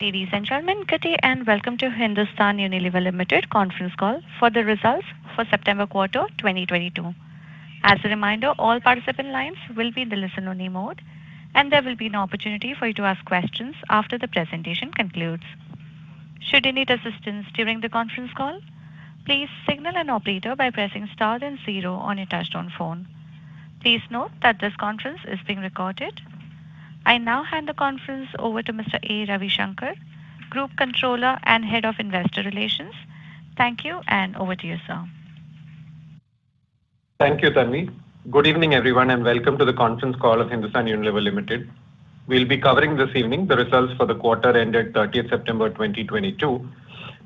Ladies and gentlemen, good day and welcome to Hindustan Unilever Limited conference call for the results for September quarter 2022. As a reminder, all participant lines will be in the listen-only mode, and there will be an opportunity for you to ask questions after the presentation concludes. Should you need assistance during the conference call, please signal an operator by pressing star then zero on your touchtone phone. Please note that this conference is being recorded. I now hand the conference over to Mr. A. Ravishankar, Group Controller and Head of Investor Relations. Thank you and over to you, sir. Thank you, Tanvi. Good evening, everyone, and welcome to the conference call of Hindustan Unilever Limited. We'll be covering this evening the results for the quarter ended 30th September 2022.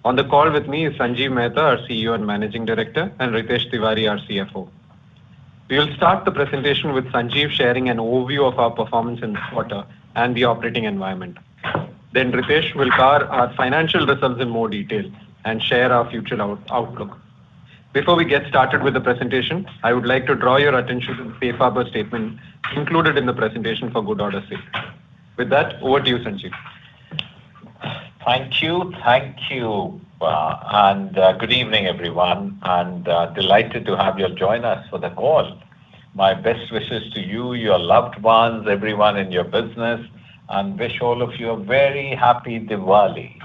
On the call with me is Sanjiv Mehta, our CEO and Managing Director, and Ritesh Tiwari, our CFO. We will start the presentation with Sanjiv sharing an overview of our performance in this quarter and the operating environment. Then Ritesh will cover our financial results in more detail and share our future outlook. Before we get started with the presentation, I would like to draw your attention to the safe harbor statement included in the presentation for good order's sake. With that, over to you, Sanjiv. Thank you. Thank you, and, good evening, everyone, and, delighted to have you join us for the call. My best wishes to you, your loved ones, everyone in your business, and wish all of you a very happy Diwali.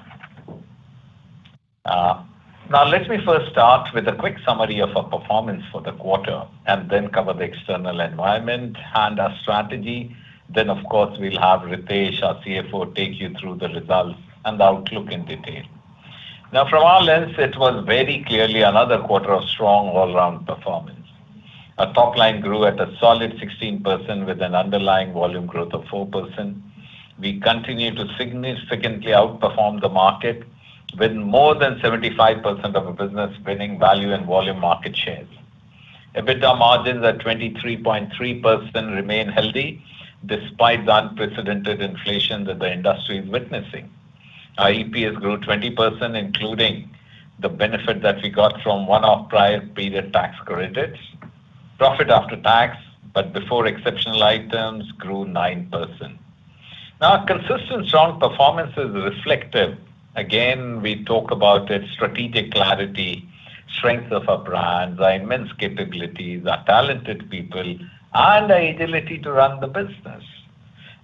Now let me first start with a quick summary of our performance for the quarter and then cover the external environment and our strategy. Of course, we'll have Ritesh, our CFO, take you through the results and outlook in detail. Now from our lens, it was very clearly another quarter of strong all around performance. Our top line grew at a solid 16% with an underlying volume growth of 4%. We continued to significantly outperform the market with more than 75% of the business winning value and volume market shares. EBITDA margins at 23.3% remain healthy despite the unprecedented inflation that the industry is witnessing. Our EPS grew 20%, including the benefit that we got from one-off prior period tax credits. Profit after tax, but before exceptional items grew 9%. Our consistent strong performance is reflective. We talk about its strategic clarity, strength of our brands, our immense capabilities, our talented people, and the agility to run the business.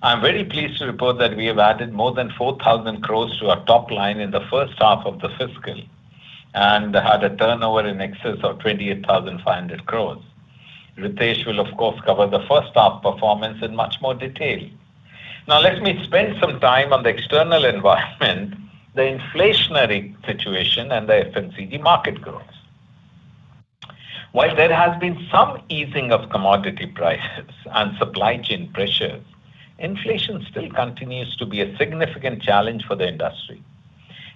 I'm very pleased to report that we have added more than 4,000 crore to our top line in the first half of the fiscal and had a turnover in excess of 28,500 crore. Ritesh will of course cover the first half performance in much more detail. Let me spend some time on the external environment, the inflationary situation, and the FMCG market growth. While there has been some easing of commodity prices and supply chain pressures, inflation still continues to be a significant challenge for the industry.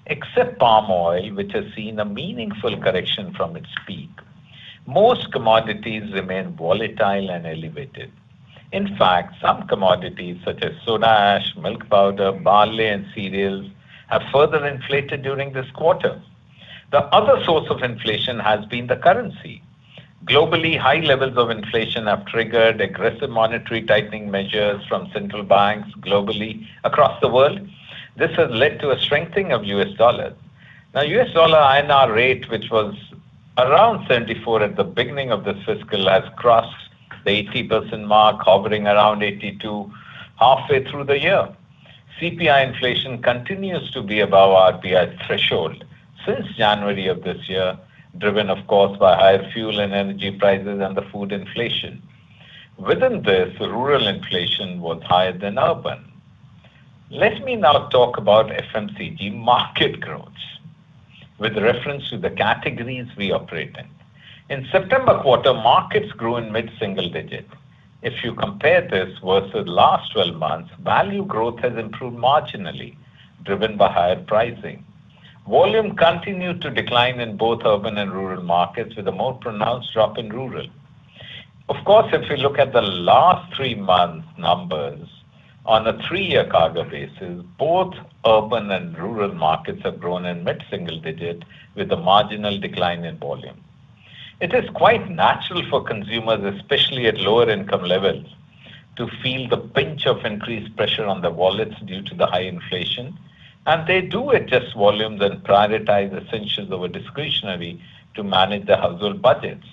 Except palm oil, which has seen a meaningful correction from its peak, most commodities remain volatile and elevated. In fact, some commodities such as soda ash, milk powder, barley, and cereals have further inflated during this quarter. The other source of inflation has been the currency. Globally, high levels of inflation have triggered aggressive monetary tightening measures from central banks globally across the world. This has led to a strengthening of US dollar. Now US dollar INR rate, which was around 74 at the beginning of the fiscal, has crossed the 80 mark, hovering around 82 halfway through the year. CPI inflation continues to be above RBI's threshold since January of this year, driven of course by higher fuel and energy prices and the food inflation. Within this, rural inflation was higher than urban. Let me now talk about FMCG market growth with reference to the categories we operate in. In September quarter, markets grew in mid-single digit. If you compare this versus last 12 months, value growth has improved marginally, driven by higher pricing. Volume continued to decline in both urban and rural markets with a more pronounced drop in rural. Of course, if you look at the last three months' numbers on a three-year CAGR basis, both urban and rural markets have grown in mid-single digit with a marginal decline in volume. It is quite natural for consumers, especially at lower income levels, to feel the pinch of increased pressure on their wallets due to the high inflation, and they do adjust volumes and prioritize essentials over discretionary to manage their household budgets.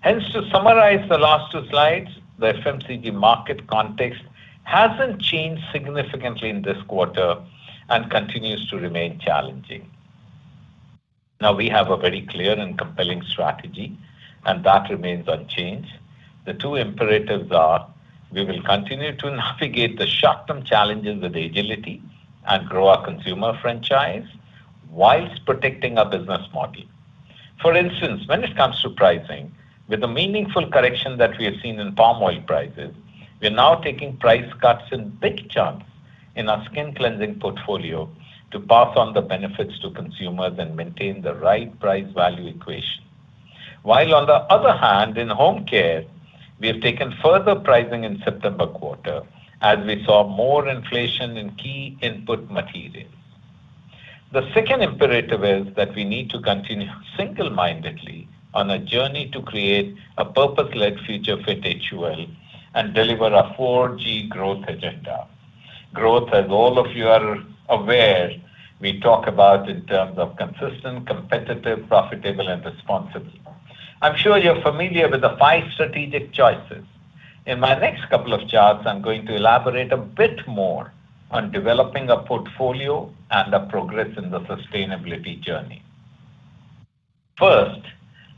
Hence, to summarize the last two slides, the FMCG market context hasn't changed significantly in this quarter and continues to remain challenging. Now we have a very clear and compelling strategy, and that remains unchanged. The two imperatives are. We will continue to navigate the short-term challenges with agility and grow our consumer franchise while protecting our business model. For instance, when it comes to pricing, with the meaningful correction that we have seen in palm oil prices, we are now taking price cuts in big chunks in our skin cleansing portfolio to pass on the benefits to consumers and maintain the right price value equation. While on the other hand, in home care, we have taken further pricing in September quarter as we saw more inflation in key input materials. The second imperative is that we need to continue single-mindedly on a journey to create a purpose-led future fit HUL and deliver a 4G growth agenda. Growth, as all of you are aware, we talk about in terms of consistent, competitive, profitable, and responsible. I'm sure you're familiar with the five strategic choices. In my next couple of charts, I'm going to elaborate a bit more on developing a portfolio and our progress in the sustainability journey. First,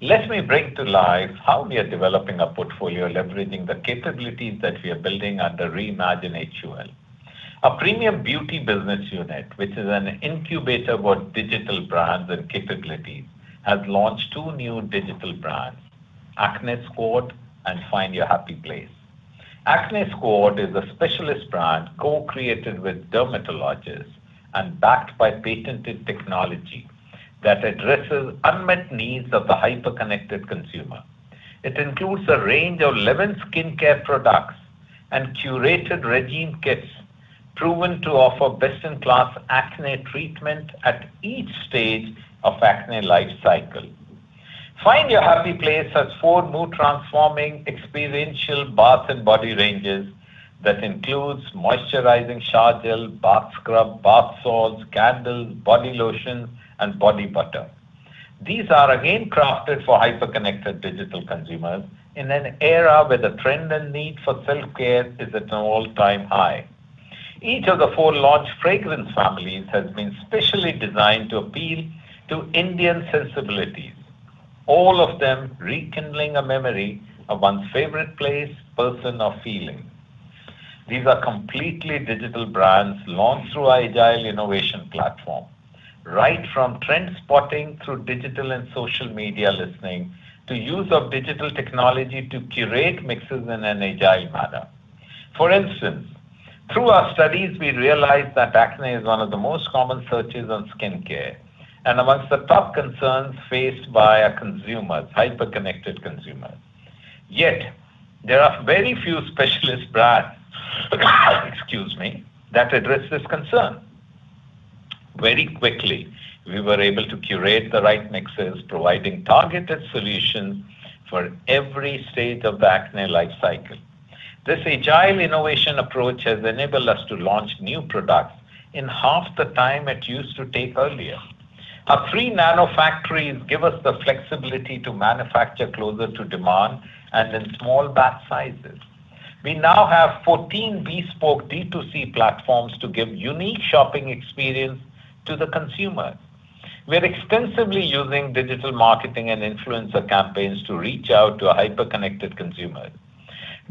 let me bring to life how we are developing a portfolio, leveraging the capabilities that we are building under Reimagine HUL. Our premium beauty business unit, which is an incubator for digital brands and capabilities, has launched two new digital brands, Acne Squad and Find Your Happy Place. Acne Squad is a specialist brand co-created with dermatologists and backed by patented technology that addresses unmet needs of the hyper-connected consumer. It includes a range of 11 skincare products and curated regime kits proven to offer best-in-class acne treatment at each stage of acne life cycle. Find Your Happy Place has four mood-transforming experiential bath and body ranges that includes moisturizing shower gel, bath scrub, bath salts, candles, body lotion, and body butter. These are again crafted for hyper-connected digital consumers in an era where the trend and need for self-care is at an all-time high. Each of the four launch fragrance families has been specially designed to appeal to Indian sensibilities, all of them rekindling a memory of one's favorite place, person, or feeling. These are completely digital brands launched through our agile innovation platform, right from trend spotting through digital and social media listening to use of digital technology to curate mixes in an agile manner. For instance, through our studies, we realized that acne is one of the most common searches on skincare and amongst the top concerns faced by our consumers, hyper-connected consumers. Yet, there are very few specialist brands, excuse me, that address this concern. Very quickly, we were able to curate the right mixes, providing targeted solutions for every stage of the acne life cycle. This agile innovation approach has enabled us to launch new products in half the time it used to take earlier. Our three nano factories give us the flexibility to manufacture closer to demand and in small batch sizes. We now have 14 bespoke D2C platforms to give unique shopping experience to the consumer. We are extensively using digital marketing and influencer campaigns to reach out to our hyper-connected consumers.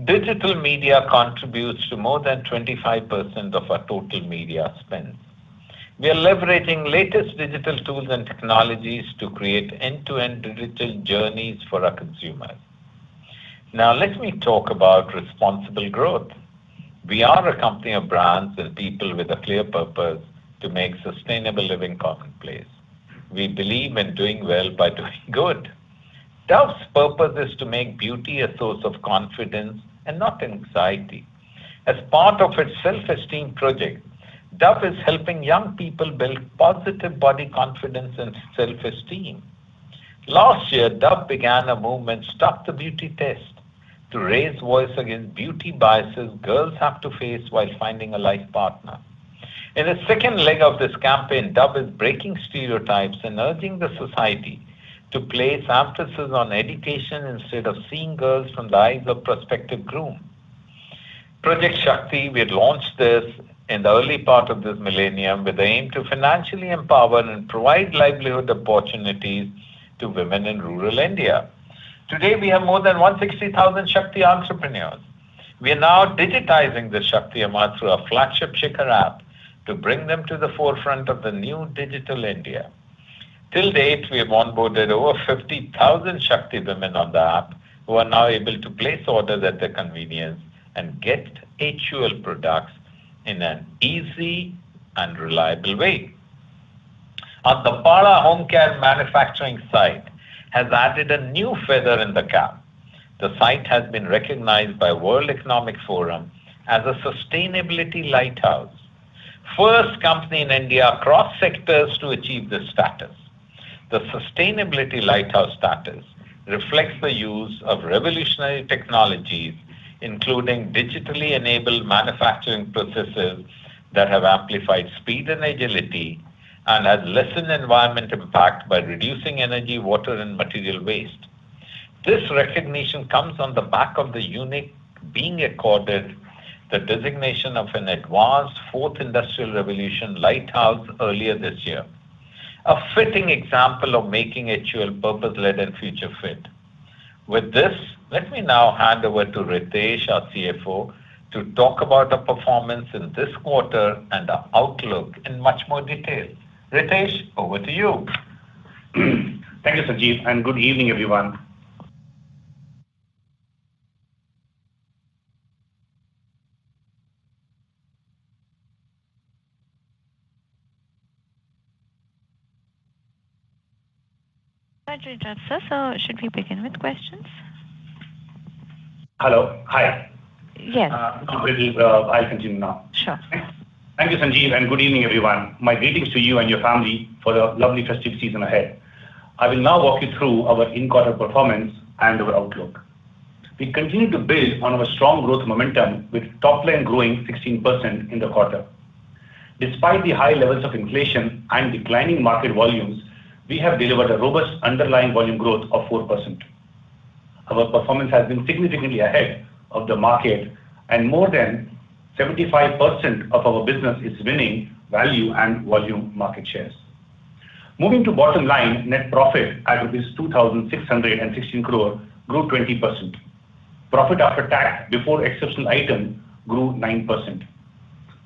Digital media contributes to more than 25% of our total media spend. We are leveraging latest digital tools and technologies to create end-to-end digital journeys for our consumers. Now let me talk about responsible growth. We are a company of brands and people with a clear purpose to make sustainable living commonplace. We believe in doing well by doing good. Dove's purpose is to make beauty a source of confidence and not anxiety. As part of its Self-Esteem Project, Dove is helping young people build positive body confidence and self-esteem. Last year, Dove began a movement, Stop The Beauty Test, to raise voice against beauty biases girls have to face while finding a life partner. In the second leg of this campaign, Dove is breaking stereotypes and urging the society to place emphasis on education instead of seeing girls from the eyes of prospective groom. Project Shakti, we had launched this in the early part of this millennium with the aim to financially empower and provide livelihood opportunities to women in rural India. Today, we have more than 160,000 Shakti entrepreneurs. We are now digitizing the Shakti Ammas through our flagship Shikhar app to bring them to the forefront of the new digital India. Till date, we have onboarded over 50,000 Shakti women on the app who are now able to place orders at their convenience and get HUL products in an easy and reliable way. Our Tatapuram Homecare manufacturing site has added a new feather in the cap. The site has been recognized by World Economic Forum as a Sustainability Lighthouse. First company in India across sectors to achieve this status. The Sustainability Lighthouse status reflects the use of revolutionary technologies, including digitally enabled manufacturing processes that have amplified speed and agility and has lessened environmental impact by reducing energy, water, and material waste. This recognition comes on the back of the unit being accorded the designation of an advanced fourth industrial revolution lighthouse earlier this year. A fitting example of making HUL purpose-led and future fit. With this, let me now hand over to Ritesh, our CFO, to talk about our performance in this quarter and our outlook in much more detail. Ritesh, over to you. Thank you, Sanjiv, and good evening, everyone. Should we begin with questions? Hello. Hi. Yes. I'll continue now. Sure. Thank you, Sanjiv, and good evening, everyone. My greetings to you and your family for the lovely festive season ahead. I will now walk you through our in-quarter performance and our outlook. We continue to build on our strong growth momentum with top line growing 16% in the quarter. Despite the high levels of inflation and declining market volumes, we have delivered a robust underlying volume growth of 4%. Our performance has been significantly ahead of the market and more than 75% of our business is winning value and volume market shares. Moving to bottom line, net profit at 2,616 crore grew 20%. Profit after tax before exceptional item grew 9%.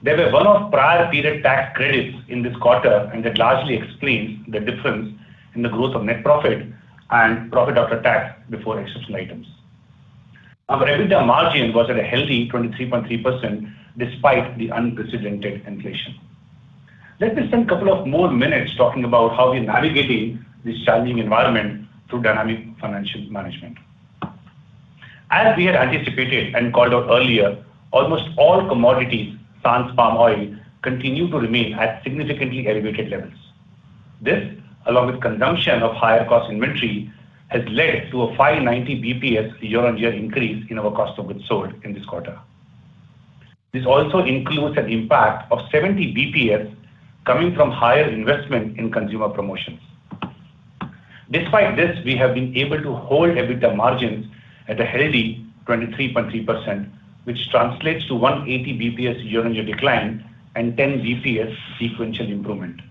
There were one-off prior period tax credits in this quarter, and that largely explains the difference in the growth of net profit and profit after tax before exceptional items. Our EBITDA margin was at a healthy 23.3% despite the unprecedented inflation. Let me spend a couple of more minutes talking about how we're navigating this challenging environment through dynamic financial management. As we had anticipated and called out earlier, almost all commodities sans palm oil continue to remain at significantly elevated levels. This, along with consumption of higher cost inventory, has led to a 590 basis points year-on-year increase in our cost of goods sold in this quarter. This also includes an impact of 70 basis points coming from higher investment in consumer promotions. Despite this, we have been able to hold EBITDA margins at a healthy 23.3%, which translates to 180 basis points year-on-year decline and 10 basis points sequential improvement.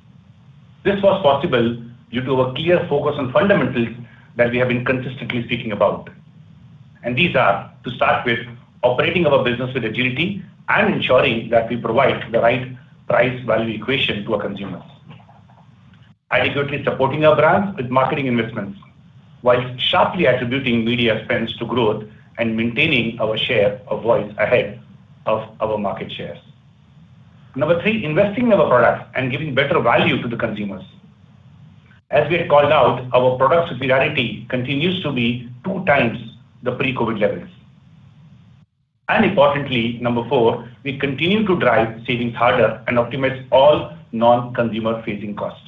This was possible due to a clear focus on fundamentals that we have been consistently speaking about. These are, to start with, operating our business with agility and ensuring that we provide the right price-value equation to our consumers. Adequately supporting our brands with marketing investments while sharply attributing media spends to growth and maintaining our share of voice ahead of our market shares. Number three, investing in our products and giving better value to the consumers. As we had called out, our product superiority continues to be two times the pre-COVID levels. Importantly, number four, we continue to drive savings harder and optimize all non-consumer facing costs.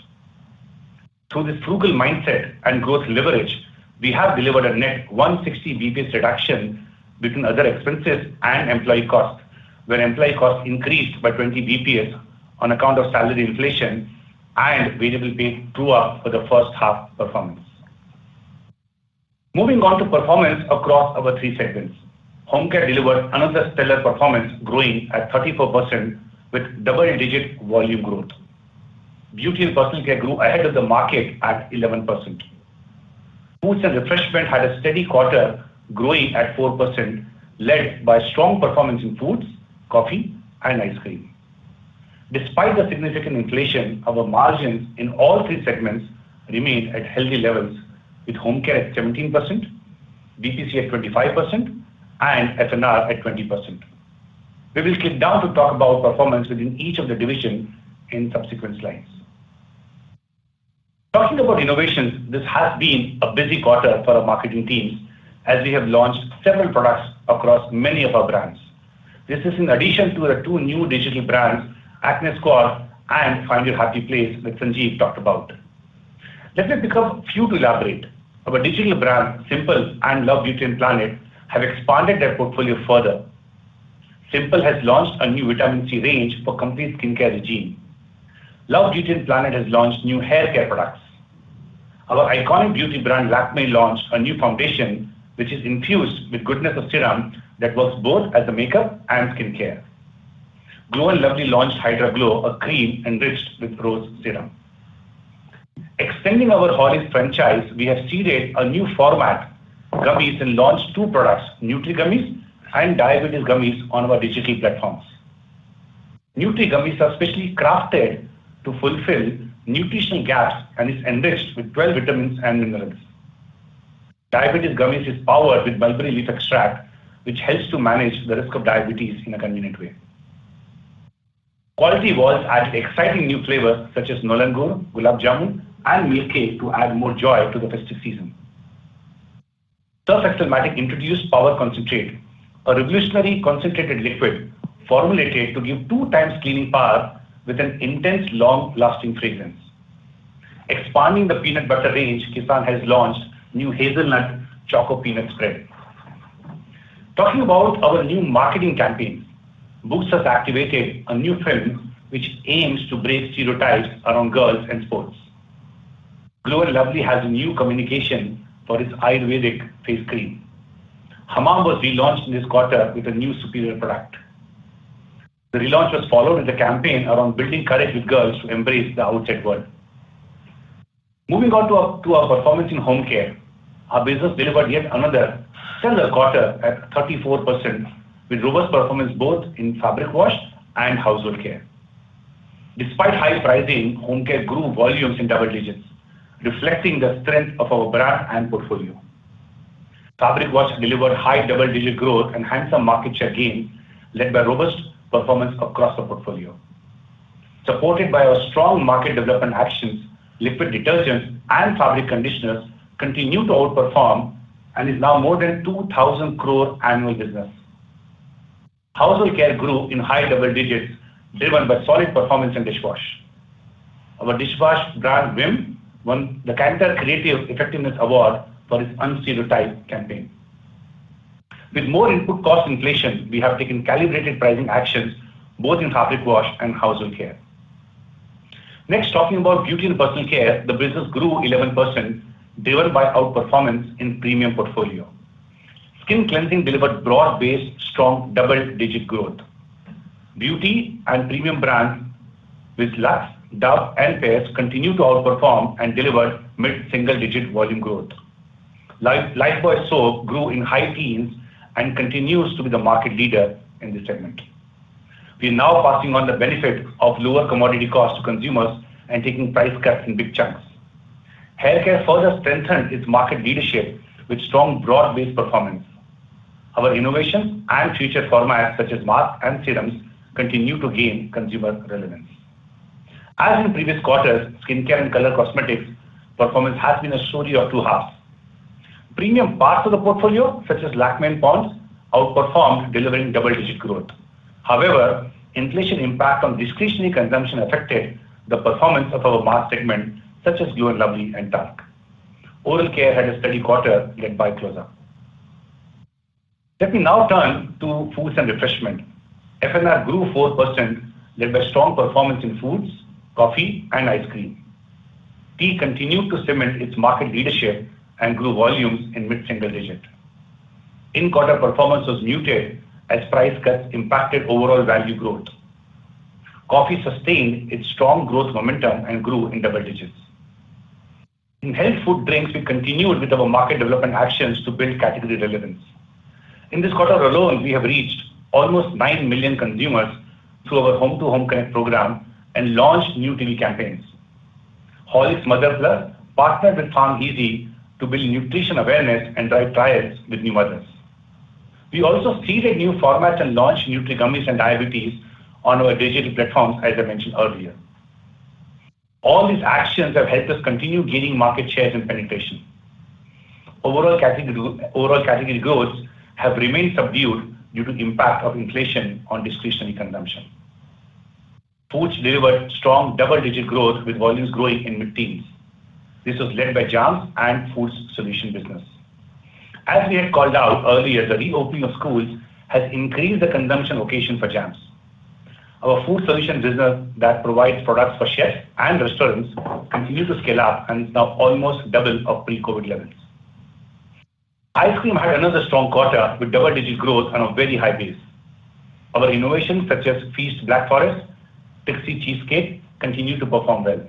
Through this frugal mindset and growth leverage, we have delivered a net 160 BPS reduction between other expenses and employee costs, where employee costs increased by 20 BPS on account of salary inflation and variable pay true-up for the first half performance. Moving on to performance across our three segments. Home care delivered another stellar performance, growing at 34% with double-digit volume growth. Beauty and personal care grew ahead of the market at 11%. Foods and refreshment had a steady quarter, growing at 4%, led by strong performance in foods, coffee, and ice cream. Despite the significant inflation, our margins in all three segments remained at healthy levels, with home care at 17%, BPC at 25%, and SNR at 20%. We will get down to talk about performance within each of the division in subsequent slides. Talking about innovations, this has been a busy quarter for our marketing teams as we have launched several products across many of our brands. This is in addition to the two new digital brands, Acne Squad and Find Your Happy Place, which Sanjiv talked about. Let me pick a few to elaborate. Our digital brand, Simple and Love Beauty and Planet, have expanded their portfolio further. Simple has launched a new vitamin C range for complete skincare regimen. Love Beauty and Planet has launched new haircare products. Our iconic beauty brand, Lakmé, launched a new foundation, which is infused with goodness of serum that works both as a makeup and skincare. Glow & Lovely launched Glow & Lovely Hydra Glow, a cream enriched with rose serum. Extending our Horlicks franchise, we have seeded a new format, gummies, and launched two products, Horlicks Nutri Gummies and Horlicks Diabetes Gummies, on our digital platforms. Nutri Gummies are specially crafted to fulfill nutritional gaps and is enriched with 12 vitamins and minerals. Diabetes Gummies is powered with mulberry leaf extract, which helps to manage the risk of diabetes in a convenient way. Kwality Wall's added exciting new flavors such as Nolen Gur, Gulab Jamun, and Milk Cake to add more joy to the festive season. Surf Excel Matic introduced Power Concentrate, a revolutionary concentrated liquid formulated to give two times cleaning power with an intense, long-lasting fragrance. Expanding the peanut butter range, Kissan has launched new hazelnut choco peanut spread. Talking about our new marketing campaigns. Boost has activated a new film which aims to break stereotypes around girls and sports. Glow & Lovely has new communication for its Ayurvedic face cream. Hamam was relaunched in this quarter with a new superior product. The relaunch was followed with a campaign around building courage with girls to embrace the outside world. Moving on to our performance in home care. Our business delivered yet another stellar quarter at 34%, with robust performance both in fabric wash and household care. Despite high pricing, home care grew volumes in double digits, reflecting the strength of our brand and portfolio. Fabric wash delivered high double-digit growth and handsome market share gain, led by robust performance across our portfolio. Supported by our strong market development actions, liquid detergents and fabric conditioners continue to outperform and is now more than 2,000 crore annual business. Household care grew in high double digits, driven by solid performance in dishwash. Our dishwash brand Vim won the Cannes Creative Effectiveness Lions for its Unstereotype campaign. With more input cost inflation, we have taken calibrated pricing actions both in fabric wash and household care. Next, talking about beauty and personal care. The business grew 11%, driven by outperformance in premium portfolio. Skin cleansing delivered broad-based strong double-digit growth. Beauty and premium brands with Lux, Dove, and Pears continue to outperform and delivered mid-single digit volume growth. Lifebuoy soap grew in high teens and continues to be the market leader in this segment. We are now passing on the benefit of lower commodity costs to consumers and taking price cuts in big chunks. Hair care further strengthened its market leadership with strong broad-based performance. Our innovation and future formats such as mask and serums continue to gain consumer relevance. As in previous quarters, skincare and color cosmetics performance has been a story of two halves. Premium parts of the portfolio such as Lakmé and POND'S outperformed, delivering double-digit growth. However, inflation impact on discretionary consumption affected the performance of our mass segment such as Glow & Lovely and Lux. Oral care had a steady quarter led by Close-Up. Let me now turn to foods and refreshment. FNR grew 4%, led by strong performance in foods, coffee, and ice cream. Tea continued to cement its market leadership and grew volumes in mid-single-digit. In-quarter performance was muted as price cuts impacted overall value growth. Coffee sustained its strong growth momentum and grew in double digits. In health food drinks, we continued with our market development actions to build category relevance. In this quarter alone, we have reached almost nine million consumers through our home-to-home connect program and launched new TV campaigns. Horlicks Mother's Plus partnered with PharmEasy to build nutrition awareness and drive trials with new mothers. We also created new formats and launched Nutri Gummies and Diabetes Gummies on our digital platforms, as I mentioned earlier. All these actions have helped us continue gaining market shares and penetration. Overall category growths have remained subdued due to impact of inflation on discretionary consumption. Foods delivered strong double-digit growth with volumes growing in mid-teens. This was led by jams and food solutions business. As we had called out earlier, the reopening of schools has increased the consumption occasion for jams. Our food solutions business that provides products for chefs and restaurants continue to scale up and is now almost double of pre-COVID levels. Ice cream had another strong quarter with double-digit growth on a very high base. Our innovations such as Feast Black Forest, Trixy Cheesecake continue to perform well.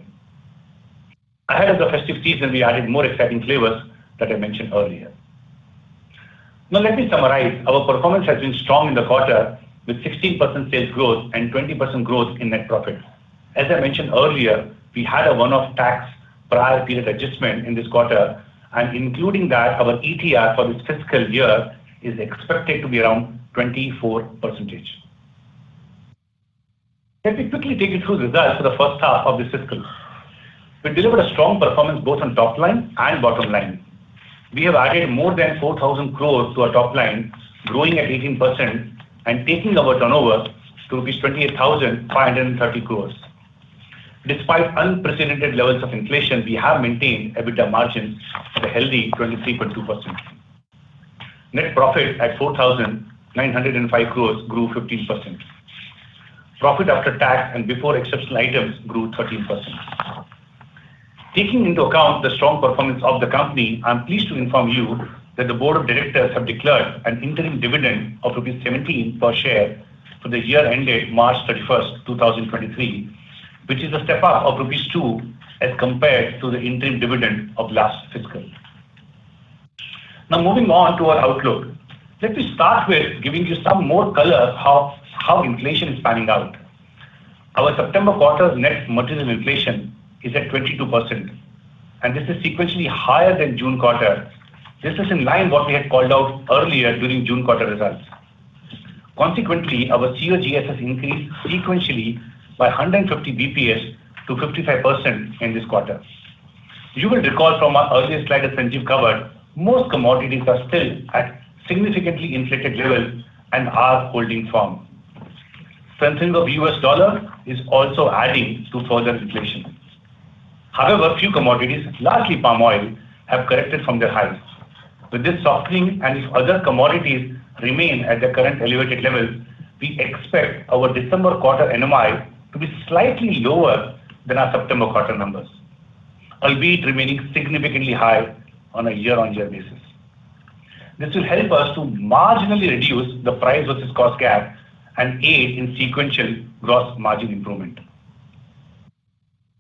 Ahead of the festive season, we added more exciting flavors that I mentioned earlier. Now let me summarize. Our performance has been strong in the quarter with 16% sales growth and 20% growth in net profit. As I mentioned earlier, we had a one-off tax prior period adjustment in this quarter, and including that, our ETR for this fiscal year is expected to be around 24%. Let me quickly take you through results for the first half of this fiscal. We delivered a strong performance both on top line and bottom line. We have added more than 4,000 crores to our top line, growing at 18% and taking our turnover to rupees 28,530 crores. Despite unprecedented levels of inflation, we have maintained EBITDA margin at a healthy 23.2%. Net profit at 4,905 crores grew 15%. Profit after tax and before exceptional items grew 13%. Taking into account the strong performance of the company, I'm pleased to inform you that the board of directors have declared an interim dividend of INR 17 per share for the year ended March 31, 2023, which is a step up of rupees 2 as compared to the interim dividend of last fiscal. Now moving on to our outlook. Let me start with giving you some more color on how inflation is panning out. Our September quarter's net material inflation is at 22%, and this is sequentially higher than June quarter. This is in line with what we had called out earlier during June quarter results. Consequently, our COGS has increased sequentially by 150 basis points to 55% in this quarter. You will recall from our earlier slide that Sanjiv covered, most commodities are still at significantly inflated levels and are holding firm. Strengthening of US dollar is also adding to further inflation. However, few commodities, largely palm oil, have corrected from their highs. With this softening and if other commodities remain at their current elevated levels, we expect our December quarter NMI to be slightly lower than our September quarter numbers, albeit remaining significantly high on a year-on-year basis. This will help us to marginally reduce the price versus cost gap and aid in sequential gross margin improvement.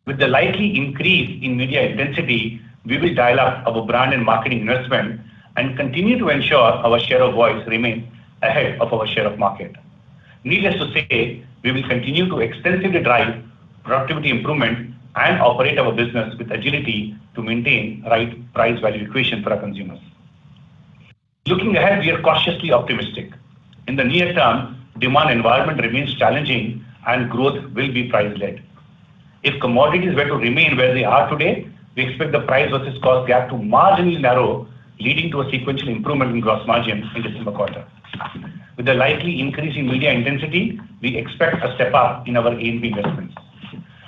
With the likely increase in media intensity, we will dial up our brand and marketing investment and continue to ensure our share of voice remain ahead of our share of market. Needless to say, we will continue to extensively drive productivity improvement and operate our business with agility to maintain right price value equation for our consumers. Looking ahead, we are cautiously optimistic. In the near term, demand environment remains challenging and growth will be price-led. If commodities were to remain where they are today, we expect the price versus cost gap to marginally narrow, leading to a sequential improvement in gross margin in December quarter. With the likely increase in media intensity, we expect a step up in our A&P investments.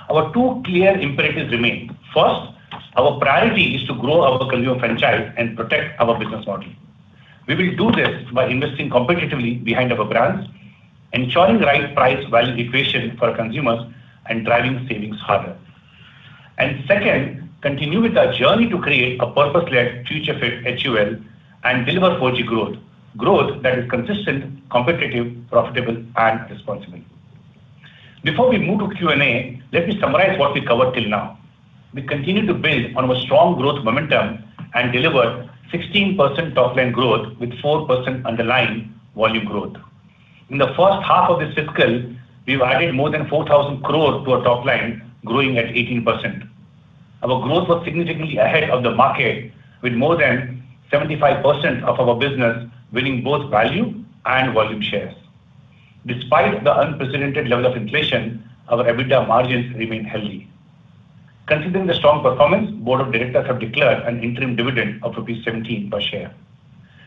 Our two clear imperatives remain. First, our priority is to grow our consumer franchise and protect our business model. We will do this by investing competitively behind our brands, ensuring the right price value equation for consumers, and driving savings harder. Second, continue with our journey to create a purpose-led future fit HUL and deliver 4G growth that is consistent, competitive, profitable and responsible. Before we move to Q&A, let me summarize what we covered till now. We continue to build on our strong growth momentum and deliver 16% top line growth with 4% underlying volume growth. In the first half of this fiscal, we've added more than 4,000 crore to our top line, growing at 18%. Our growth was significantly ahead of the market, with more than 75% of our business winning both value and volume shares. Despite the unprecedented level of inflation, our EBITDA margins remain healthy. Considering the strong performance, board of directors have declared an interim dividend of rupees 17 per share.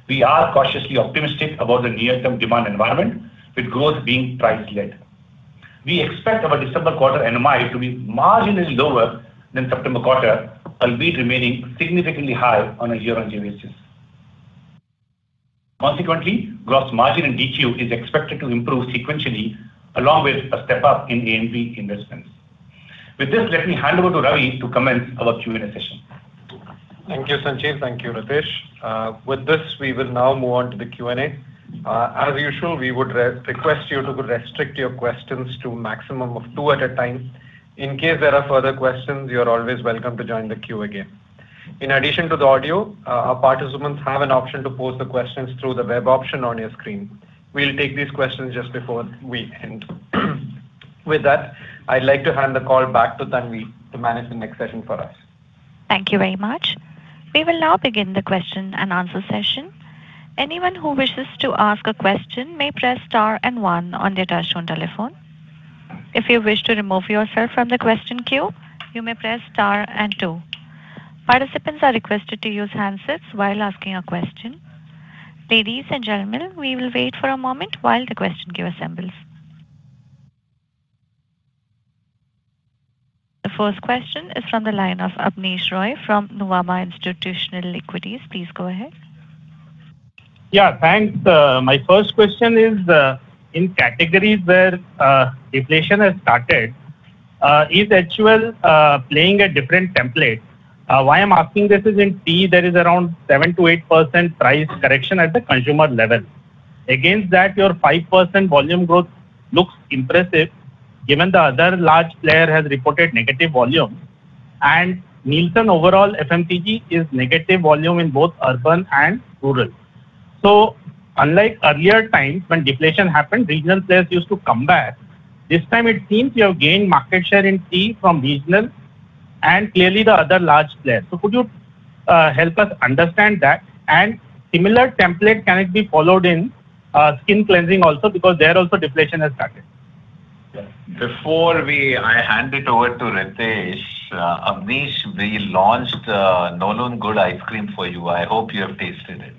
We are cautiously optimistic about the near-term demand environment, with growth being price-led. We expect our December quarter NMI to be marginally lower than September quarter, albeit remaining significantly high on a year-on-year basis. Consequently, gross margin in DTU is expected to improve sequentially, along with a step-up in A&P investments. With this, let me hand over to Ravi to commence our Q&A session. Thank you, Sanjiv. Thank you, Ritesh. With this, we will now move on to the Q&A. As usual, we would re-request you to restrict your questions to a maximum of two at a time. In case there are further questions, you are always welcome to join the queue again. In addition to the audio, our participants have an option to pose the questions through the web option on your screen. We'll take these questions just before we end. With that, I'd like to hand the call back to Tanvi to manage the next session for us. Thank you very much. We will now begin the question and answer session. Anyone who wishes to ask a question may press star and one on their touch-tone telephone. If you wish to remove yourself from the question queue, you may press star and two. Participants are requested to use handsets while asking a question. Ladies and gentlemen, we will wait for a moment while the question queue assembles. The first question is from the line of Abneesh Roy from Nuvama Institutional Equities. Please go ahead. Yeah, thanks. My first question is, in categories where deflation has started, is HUL playing a different template? Why I'm asking this is in tea, there is around 7%-8% price correction at the consumer level. Against that, your 5% volume growth looks impressive, given the other large player has reported negative volume. Nielsen overall FMCG is negative volume in both urban and rural. Unlike earlier times when deflation happened, regional players used to come back. This time it seems you have gained market share in tea from regional and clearly the other large player. Could you help us understand that? Similar template, can it be followed in skin cleansing also? Because there also deflation has started. Before I hand it over to Ritesh, Abneesh, we launched Nolen Gur ice cream for you. I hope you have tasted it.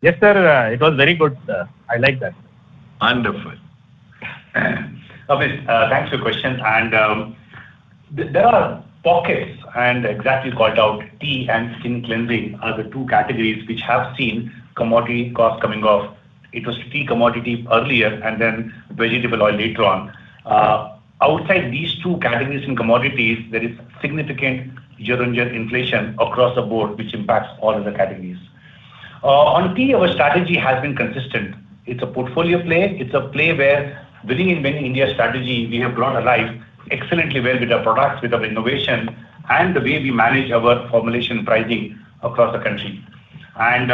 Yes, sir. It was very good. I like that. Wonderful. Abneesh, thanks for your questions. There are pockets, and exactly you called out tea and skin cleansing are the two categories which have seen commodity costs coming off. It was tea commodity earlier and then vegetable oil later on. Outside these two categories in commodities, there is significant year-on-year inflation across the board, which impacts all other categories. On tea, our strategy has been consistent. It's a portfolio play. It's a play where building in Make in India strategy, we have grown and thrived excellently well with our products, with our innovation and the way we manage our formulation pricing across the country. With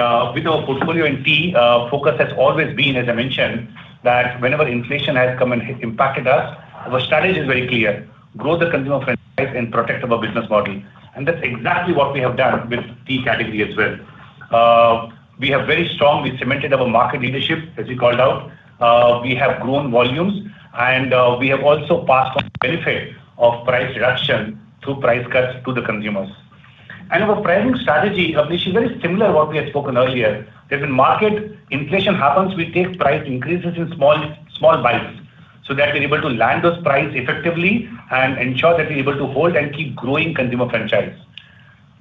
our portfolio in tea, focus has always been, as I mentioned, that whenever inflation has come and impacted us, our strategy is very clear, grow the consumer franchise and protect our business model. That's exactly what we have done with tea category as well. We cemented our market leadership, as you called out. We have grown volumes, and we have also passed on the benefit of price reduction through price cuts to the consumers. Our pricing strategy, Abneesh, is very similar to what we had spoken earlier. That in-market, inflation happens, we take price increases in small bites so that we're able to land those price effectively and ensure that we're able to hold and keep growing consumer franchise.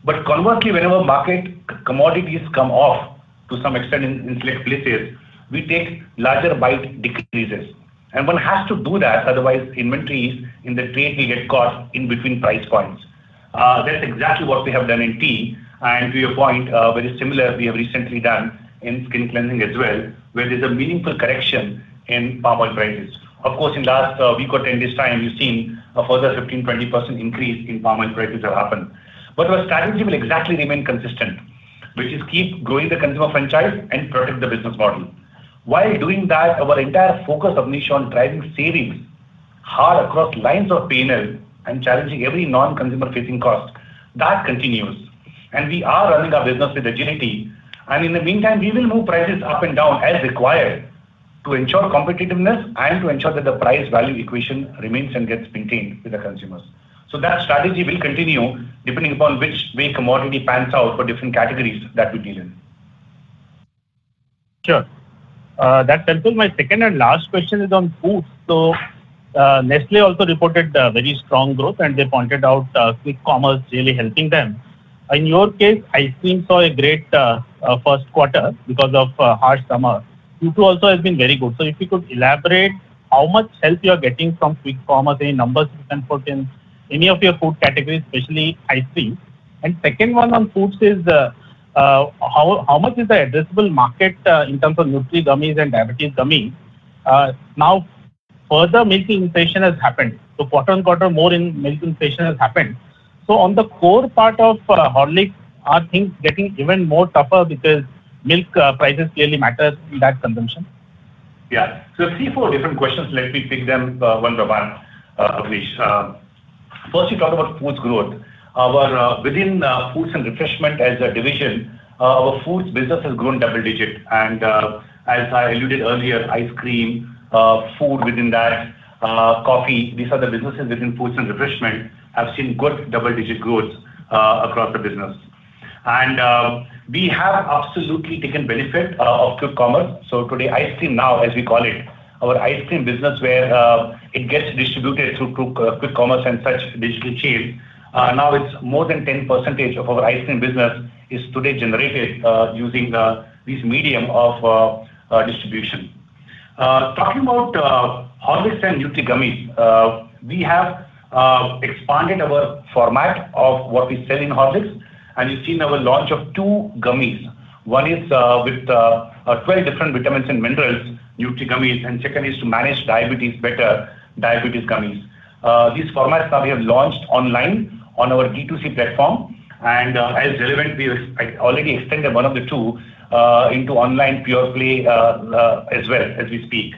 But conversely, whenever market commodities come off to some extent in select places, we take larger bite decreases. One has to do that, otherwise inventories in the trade will get caught in between price points. That's exactly what we have done in tea. To your point, very similar we have recently done in skin cleansing as well, where there's a meaningful correction in palm oil prices. Of course, in last week or 10 this time, you've seen a further 15%-20% increase in palm oil prices have happened. Our strategy will exactly remain consistent. Which is keep growing the consumer franchise and protect the business model. While doing that, our entire focus of Nishchay on driving savings hard across lines of P&L and challenging every non-consumer facing cost, that continues. We are running our business with agility. In the meantime, we will move prices up and down as required to ensure competitiveness and to ensure that the price value equation remains and gets maintained with the consumers. That strategy will continue depending upon which way commodity pans out for different categories that we deal in. Sure. That's helpful. My second and last question is on food. Nestlé also reported a very strong growth, and they pointed out quick commerce really helping them. In your case, ice cream saw a great first quarter because of a harsh summer. Q2 also has been very good. If you could elaborate how much help you are getting from quick commerce, any numbers you can put in any of your food categories, especially ice cream. Second one on foods is how much is the addressable market in terms of Nutri gummies and diabetes gummies? Now further milk inflation has happened. Quarter-on-quarter, more inflation in milk has happened. On the core part of Horlicks, are things getting even more tougher because milk prices clearly matters in that consumption? Yeah. Three, four different questions. Let me pick them one by one, Abneesh. First you talked about foods growth. Our within foods and Refreshment as a division, our foods business has grown double-digit. As I alluded earlier, ice cream, food within that, coffee. These are the businesses within foods and Refreshment have seen good double-digit growth across the business. We have absolutely taken benefit of quick commerce. Today, ice cream now, as we call it, our ice cream business where it gets distributed through quick commerce and such digital chain, now it's more than 10% of our ice cream business is today generated using this medium of distribution. Talking about Horlicks and Nutri gummies. We have expanded our format of what we sell in Horlicks, and you've seen our launch of two gummies. One is with 20 different vitamins and minerals, Nutri Gummies, and second is to manage diabetes better, Diabetes Gummies. These formats now we have launched online on our D2C platform, and as relevant we've, like, already extended one of the two into online purely, as well as we speak.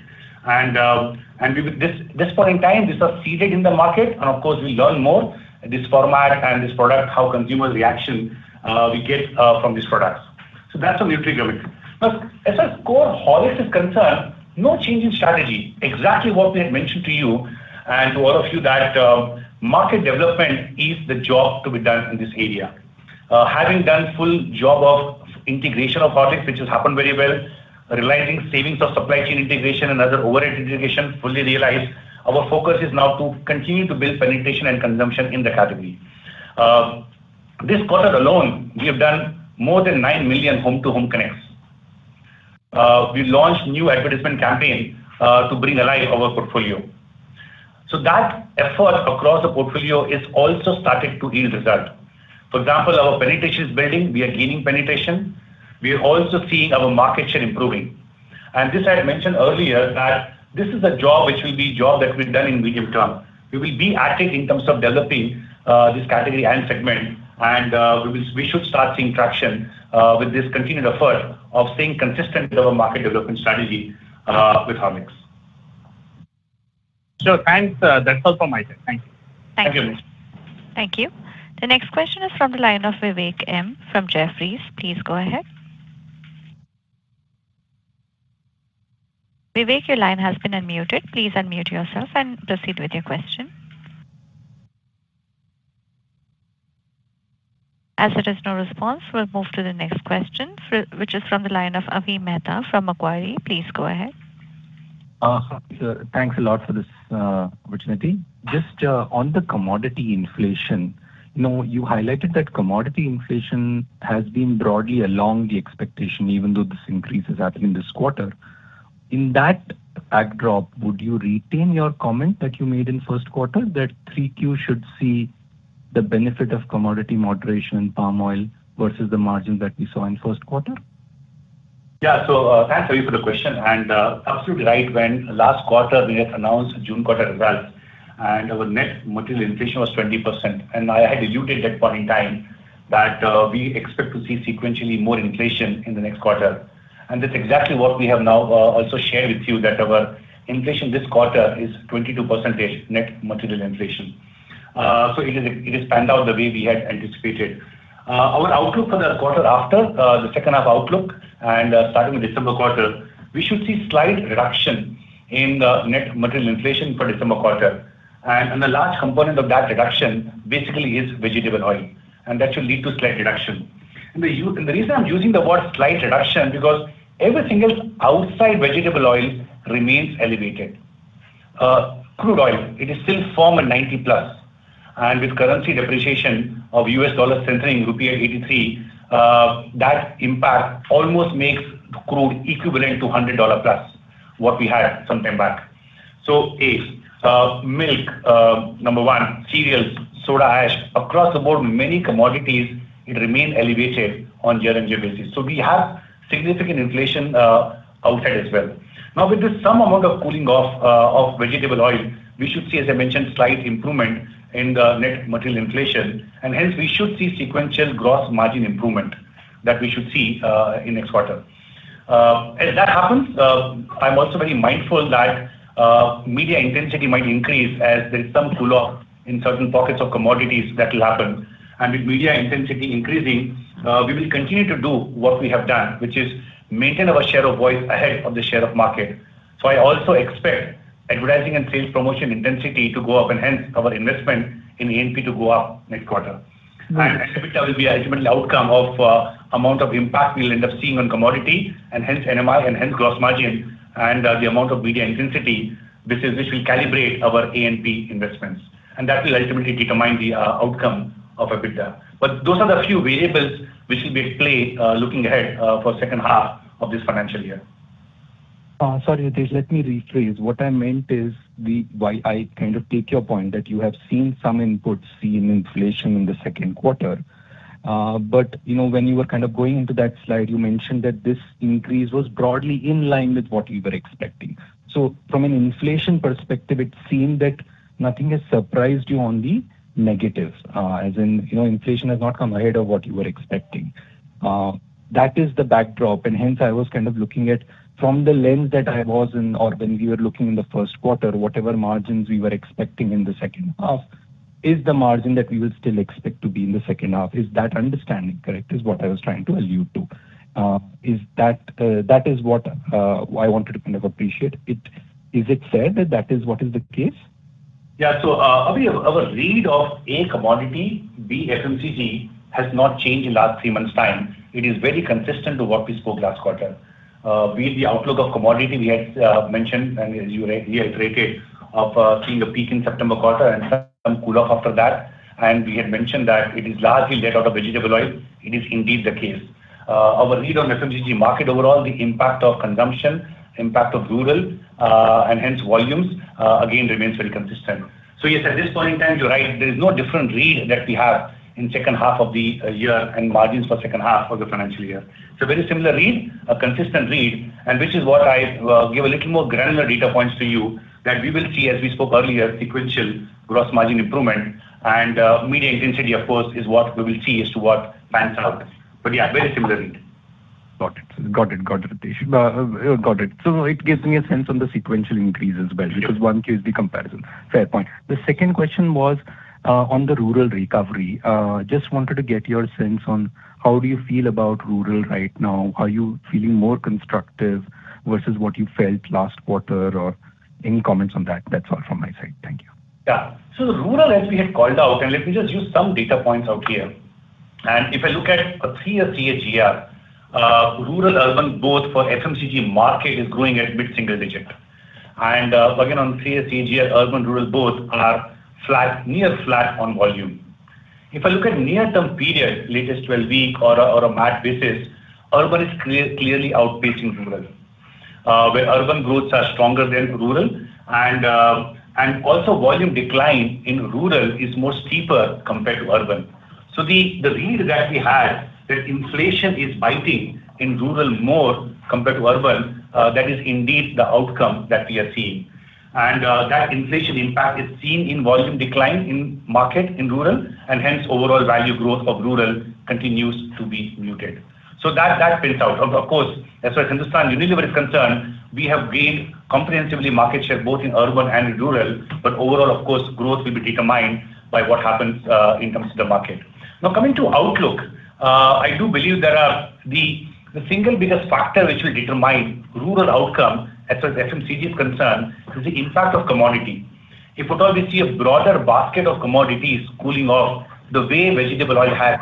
This point in time, these are seeded in the market. Of course we learn more this format and this product, how consumer reaction we get from these products. That's on Nutri gummy. Now, as far as core Horlicks is concerned, no change in strategy. Exactly what we had mentioned to you and to all of you that, market development is the job to be done in this area. Having done full job of integration of Horlicks, which has happened very well, realizing savings of supply chain integration and other overhead integration fully realized, our focus is now to continue to build penetration and consumption in the category. This quarter alone, we have done more than 9 million home-to-home connects. We launched new advertisement campaign, to bring alive our portfolio. That effort across the portfolio is also starting to yield result. For example, our penetration is building. We are gaining penetration. We are also seeing our market share improving. This I had mentioned earlier that this is a job that will be done in medium term. We will be active in terms of developing this category and segment. We should start seeing traction with this continued effort of staying consistent with our market development strategy with Horlicks. Sure. Thanks. That's all from my side. Thank you. Thank you. Thank you. The next question is from the line of Vivek M. from Jefferies. Please go ahead. Vivek, your line has been unmuted. Please unmute yourself and proceed with your question. As there is no response, we'll move to the next question, which is from the line of Avi Mehta from Macquarie. Please go ahead. Thanks a lot for this opportunity. Just on the commodity inflation. You know, you highlighted that commodity inflation has been broadly in line with expectations even though this increase is happening this quarter. In that backdrop, would you retain your comment that you made in first quarter that 3Q should see the benefit of commodity moderation in palm oil versus the margin that we saw in first quarter? Thanks, Avi, for the question. Absolutely right. When last quarter we had announced June quarter results, and our net material inflation was 20%. I had alluded that point in time that we expect to see sequentially more inflation in the next quarter. That's exactly what we have now, also shared with you that our inflation this quarter is 22% net material inflation. It is panned out the way we had anticipated. Our outlook for the quarter after, the second half outlook and, starting with December quarter, we should see slight reduction in the net material inflation for December quarter. The large component of that reduction basically is vegetable oil, and that should lead to slight reduction. The reason I'm using the word slight reduction because everything else outside vegetable oil remains elevated. Crude oil, it is still firm at 90+. With currency depreciation of US dollar against rupee at 83, that impact almost makes the crude equivalent to $100+ what we had some time back. Milk, number one, cereals, soda ash. Across the board, many commodities it remain elevated on year-on-year basis. We have significant inflation outside as well. Now, with this some amount of cooling off of vegetable oil, we should see, as I mentioned, slight improvement in the net material inflation, and hence we should see sequential gross margin improvement that we should see in next quarter. As that happens, I'm also very mindful that media intensity might increase as there's some cool off in certain pockets of commodities that will happen. With media intensity increasing, we will continue to do what we have done, which is maintain our share of voice ahead of the share of market. I also expect advertising and sales promotion intensity to go up and hence our investment in A&P to go up next quarter. Right. EBITDA will be ultimately outcome of amount of impact we'll end up seeing on commodity and hence NMI and hence gross margin and the amount of media intensity. This will calibrate our A&P investments, and that will ultimately determine the outcome of EBITDA. Those are the few variables which will be at play, looking ahead, for second half of this financial year. Sorry, Ritesh, let me rephrase. What I meant is, while I kind of take your point that you have seen some inputs seeing inflation in the second quarter, but, you know, when you were kind of going into that slide, you mentioned that this increase was broadly in line with what you were expecting. From an inflation perspective, it seemed that nothing has surprised you on the negative. As in, you know, inflation has not come ahead of what you were expecting. That is the backdrop, and hence I was kind of looking at from the lens that I was in or when we were looking in the first quarter, whatever margins we were expecting in the second half is the margin that we will still expect to be in the second half. Is that understanding correct? Is what I was trying to allude to. Is that is what I wanted to kind of appreciate. Is it fair that is what is the case? Yeah. Avi, our read of A, commodity, B, FMCG has not changed in last three months' time. It is very consistent to what we spoke last quarter. Be it the outlook of commodity we had mentioned and as you read, we had rated of seeing a peak in September quarter and some cool off after that. We had mentioned that it is largely led out of vegetable oil. It is indeed the case. Our read on FMCG market overall, the impact of consumption, impact of rural, and hence volumes, again remains very consistent. Yes, at this point in time, you're right, there is no different read that we have in second half of the year and margins for second half of the financial year. It's a very similar read, a consistent read, and which is what I give a little more granular data points to you that we will see, as we spoke earlier, sequential gross margin improvement. Media intensity, of course, is what we will see as to what pans out. Yeah, very similar read. Got it, Ritesh. It gives me a sense on the sequential increase as well, because one gives the comparison. Fair point. The second question was on the rural recovery. Just wanted to get your sense on how do you feel about rural right now? Are you feeling more constructive versus what you felt last quarter or any comments on that? That's all from my side. Thank you. Yeah. Rural, as we had called out, let me just use some data points here. If I look at a three-year CAGR, rural-urban both for FMCG market is growing at mid-single digit. Again, on three-year CAGR, urban-rural both are flat, near flat on volume. If I look at near-term period, latest 12-week or a MAT basis, urban is clearly outpacing rural. Where urban growths are stronger than rural, and also volume decline in rural is more steeper compared to urban. The read that we had that inflation is biting in rural more compared to urban, that is indeed the outcome that we are seeing. That inflation impact is seen in volume decline in market in rural and hence overall value growth of rural continues to be muted. That pans out. Of course, as far as Hindustan Unilever is concerned, we have gained comprehensively market share both in urban and in rural, but overall, of course, growth will be determined by what happens in consumer market. Now, coming to outlook, I do believe there are. The single biggest factor which will determine rural outcome as FMCG is concerned, is the impact of commodity. If at all we see a broader basket of commodities cooling off the way vegetable oil has,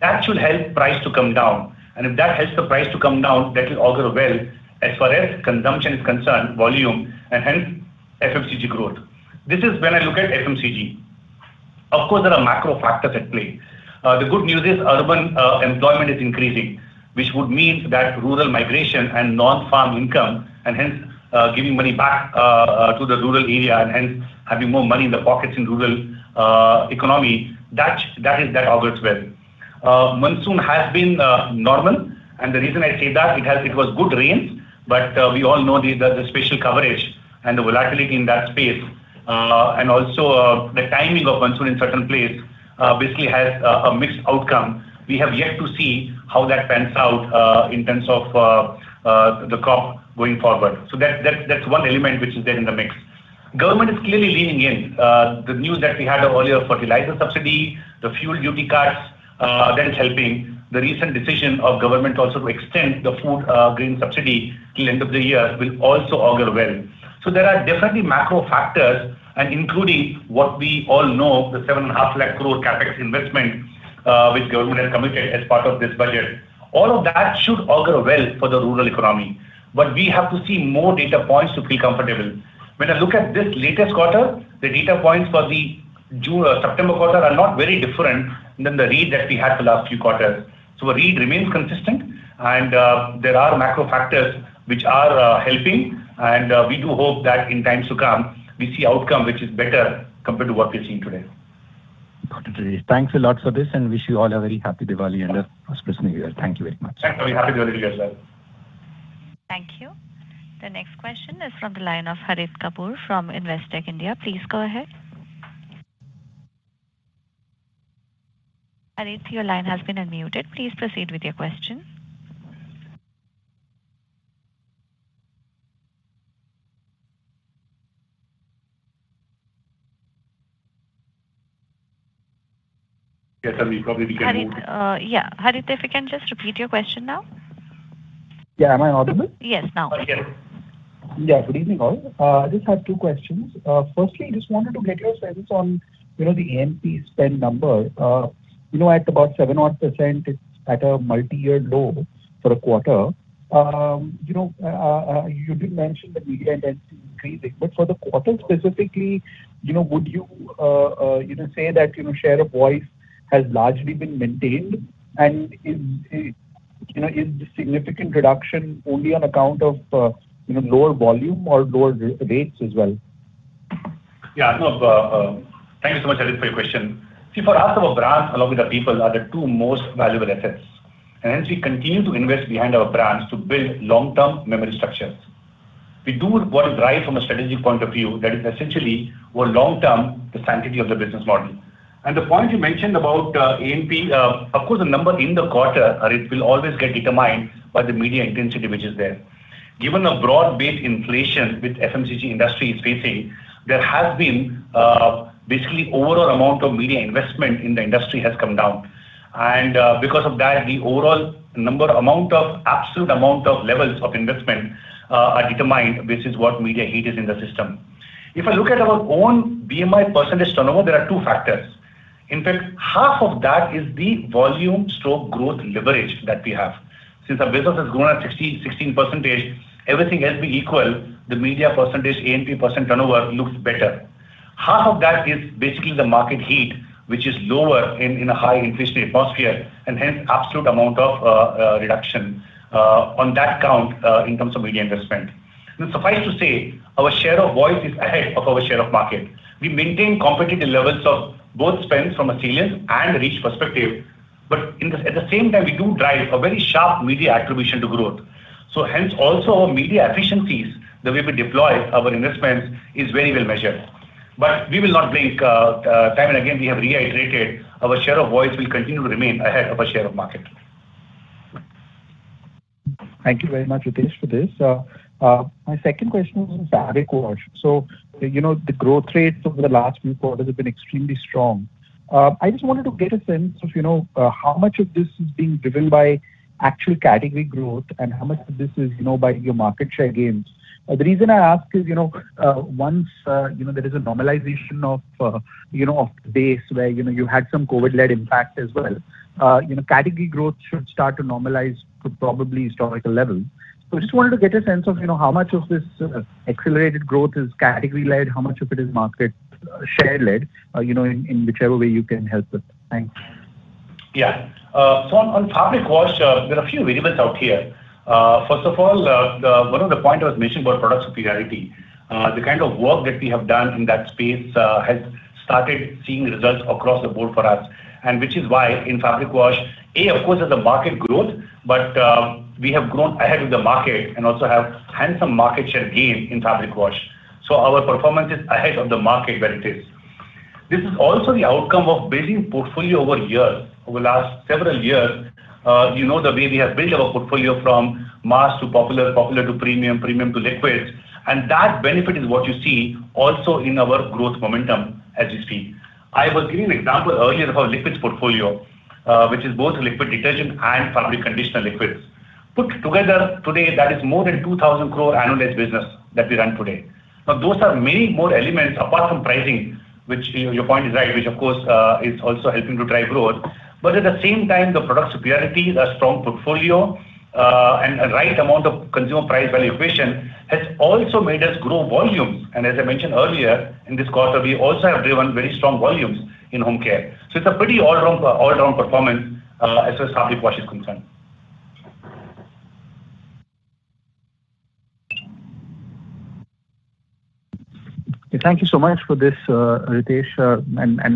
that should help price to come down. If that helps the price to come down, that will augur well as far as consumption is concerned, volume, and hence FMCG growth. This is when I look at FMCG. Of course, there are macro factors at play. The good news is urban employment is increasing, which would mean that rural migration and non-farm income and hence giving money back to the rural area and hence having more money in the pockets in rural economy, that augurs well. Monsoon has been normal, and the reason I say that, it was good rains, but we all know the spatial coverage and the volatility in that space, and also the timing of monsoon in certain place basically has a mixed outcome. We have yet to see how that pans out in terms of the crop going forward. That's one element which is there in the mix. Government is clearly leaning in. The news that we had earlier, fertilizer subsidy, the fuel duty cuts, that is helping. The recent decision of government also to extend the food grain subsidy till end of the year will also augur well. There are definitely macro factors and including what we all know, the 7.5 lakh crore CapEx investment, which government has committed as part of this budget. All of that should augur well for the rural economy, but we have to see more data points to feel comfortable. When I look at this latest quarter, the data points for the July-September quarter are not very different than the read that we had the last few quarters. Our read remains consistent and, there are macro factors which are, helping. We do hope that in times to come we see outcome which is better compared to what we're seeing today. Thanks a lot for this and wish you all a very happy Diwali and a prosperous new year. Thank you very much. Thanks. Happy Diwali as well. Thank you. The next question is from the line of Harit Kapoor from Investec India. Please go ahead. Harit, your line has been unmuted. Please proceed with your question. Yes, sir. We'll probably be getting. Harit, yeah, if you can just repeat your question now. Yeah. Am I audible? Yes, now. Yes. Yeah. Good evening all. I just have two questions. Firstly, just wanted to get your sense on, you know, the A&P spend number. You know, at about 7%, it's at a multi-year low for a quarter. You know, you did mention that media intensity increasing, but for the quarter specifically, you know, would you know, say that, you know, share of voice has largely been maintained? Is, you know, is the significant reduction only on account of, you know, lower volume or lower rates as well? Yeah. No, thank you so much, Harit, for your question. See, for us, our brands, along with the people, are the two most valuable assets. Hence we continue to invest behind our brands to build long-term memory structures. We do what is right from a strategic point of view that is essentially, for long term, the sanctity of the business model. The point you mentioned about A&P, of course, the number in the quarter, Harit, will always get determined by the media intensity which is there. Given the broad-based inflation which FMCG industry is facing, there has been basically overall amount of media investment in the industry has come down. Because of that, the overall number amount of absolute amount of levels of investment are determined based on what media heat is in the system. If I look at our own BMI percentage turnover, there are two factors. In fact, half of that is the volume/growth leverage that we have. Since our business has grown at 16%, everything else being equal, the media percentage, A&P % turnover looks better. Half of that is basically the market heat, which is lower in a high inflationary atmosphere, and hence absolute amount of reduction on that count in terms of media investment. Suffice to say, our share of voice is ahead of our share of market. We maintain competitive levels of both spends from a salience and reach perspective, but at the same time, we do drive a very sharp media attribution to growth. Hence also our media efficiencies, the way we deploy our investments is very well measured. We will not blink. Time and again, we have reiterated our share of voice will continue to remain ahead of our share of market. Thank you very much, Ritesh, for this. My second question is on fabric wash. You know, the growth rates over the last few quarters have been extremely strong. I just wanted to get a sense of, you know, how much of this is being driven by actual category growth and how much of this is, you know, by your market share gains. The reason I ask is, you know, once there is a normalization of, you know, of the base where, you know, you had some COVID-led impact as well, you know, category growth should start to normalize to probably historical level. I just wanted to get a sense of, you know, how much of this accelerated growth is category-led, how much of it is market share-led, you know, in whichever way you can help with. Thanks. On fabric wash, there are a few variables out here. First of all, one of the points I was mentioning about product superiority, the kind of work that we have done in that space has started seeing results across the board for us, and which is why in fabric wash, and, of course, there's a market growth, but we have grown ahead of the market and also have handsome market share gain in fabric wash. Our performance is ahead of the market what it is. This is also the outcome of building portfolio over years. Over last several years, you know, the way we have built our portfolio from mass to popular to premium to liquids, and that benefit is what you see also in our growth momentum as you see. I was giving an example earlier of our liquids portfolio, which is both liquid detergent and fabric conditioner liquids. Put together today, that is more than 2,000 crore annualized business that we run today. Now, those are many more elements apart from pricing, which, you know, your point is right, which of course, is also helping to drive growth. But at the same time, the product superiority, the strong portfolio, and a right amount of consumer price value equation has also made us grow volumes. As I mentioned earlier, in this quarter, we also have driven very strong volumes in home care. It's a pretty all around performance, as far as fabric wash is concerned. Thank you so much for this, Ritesh,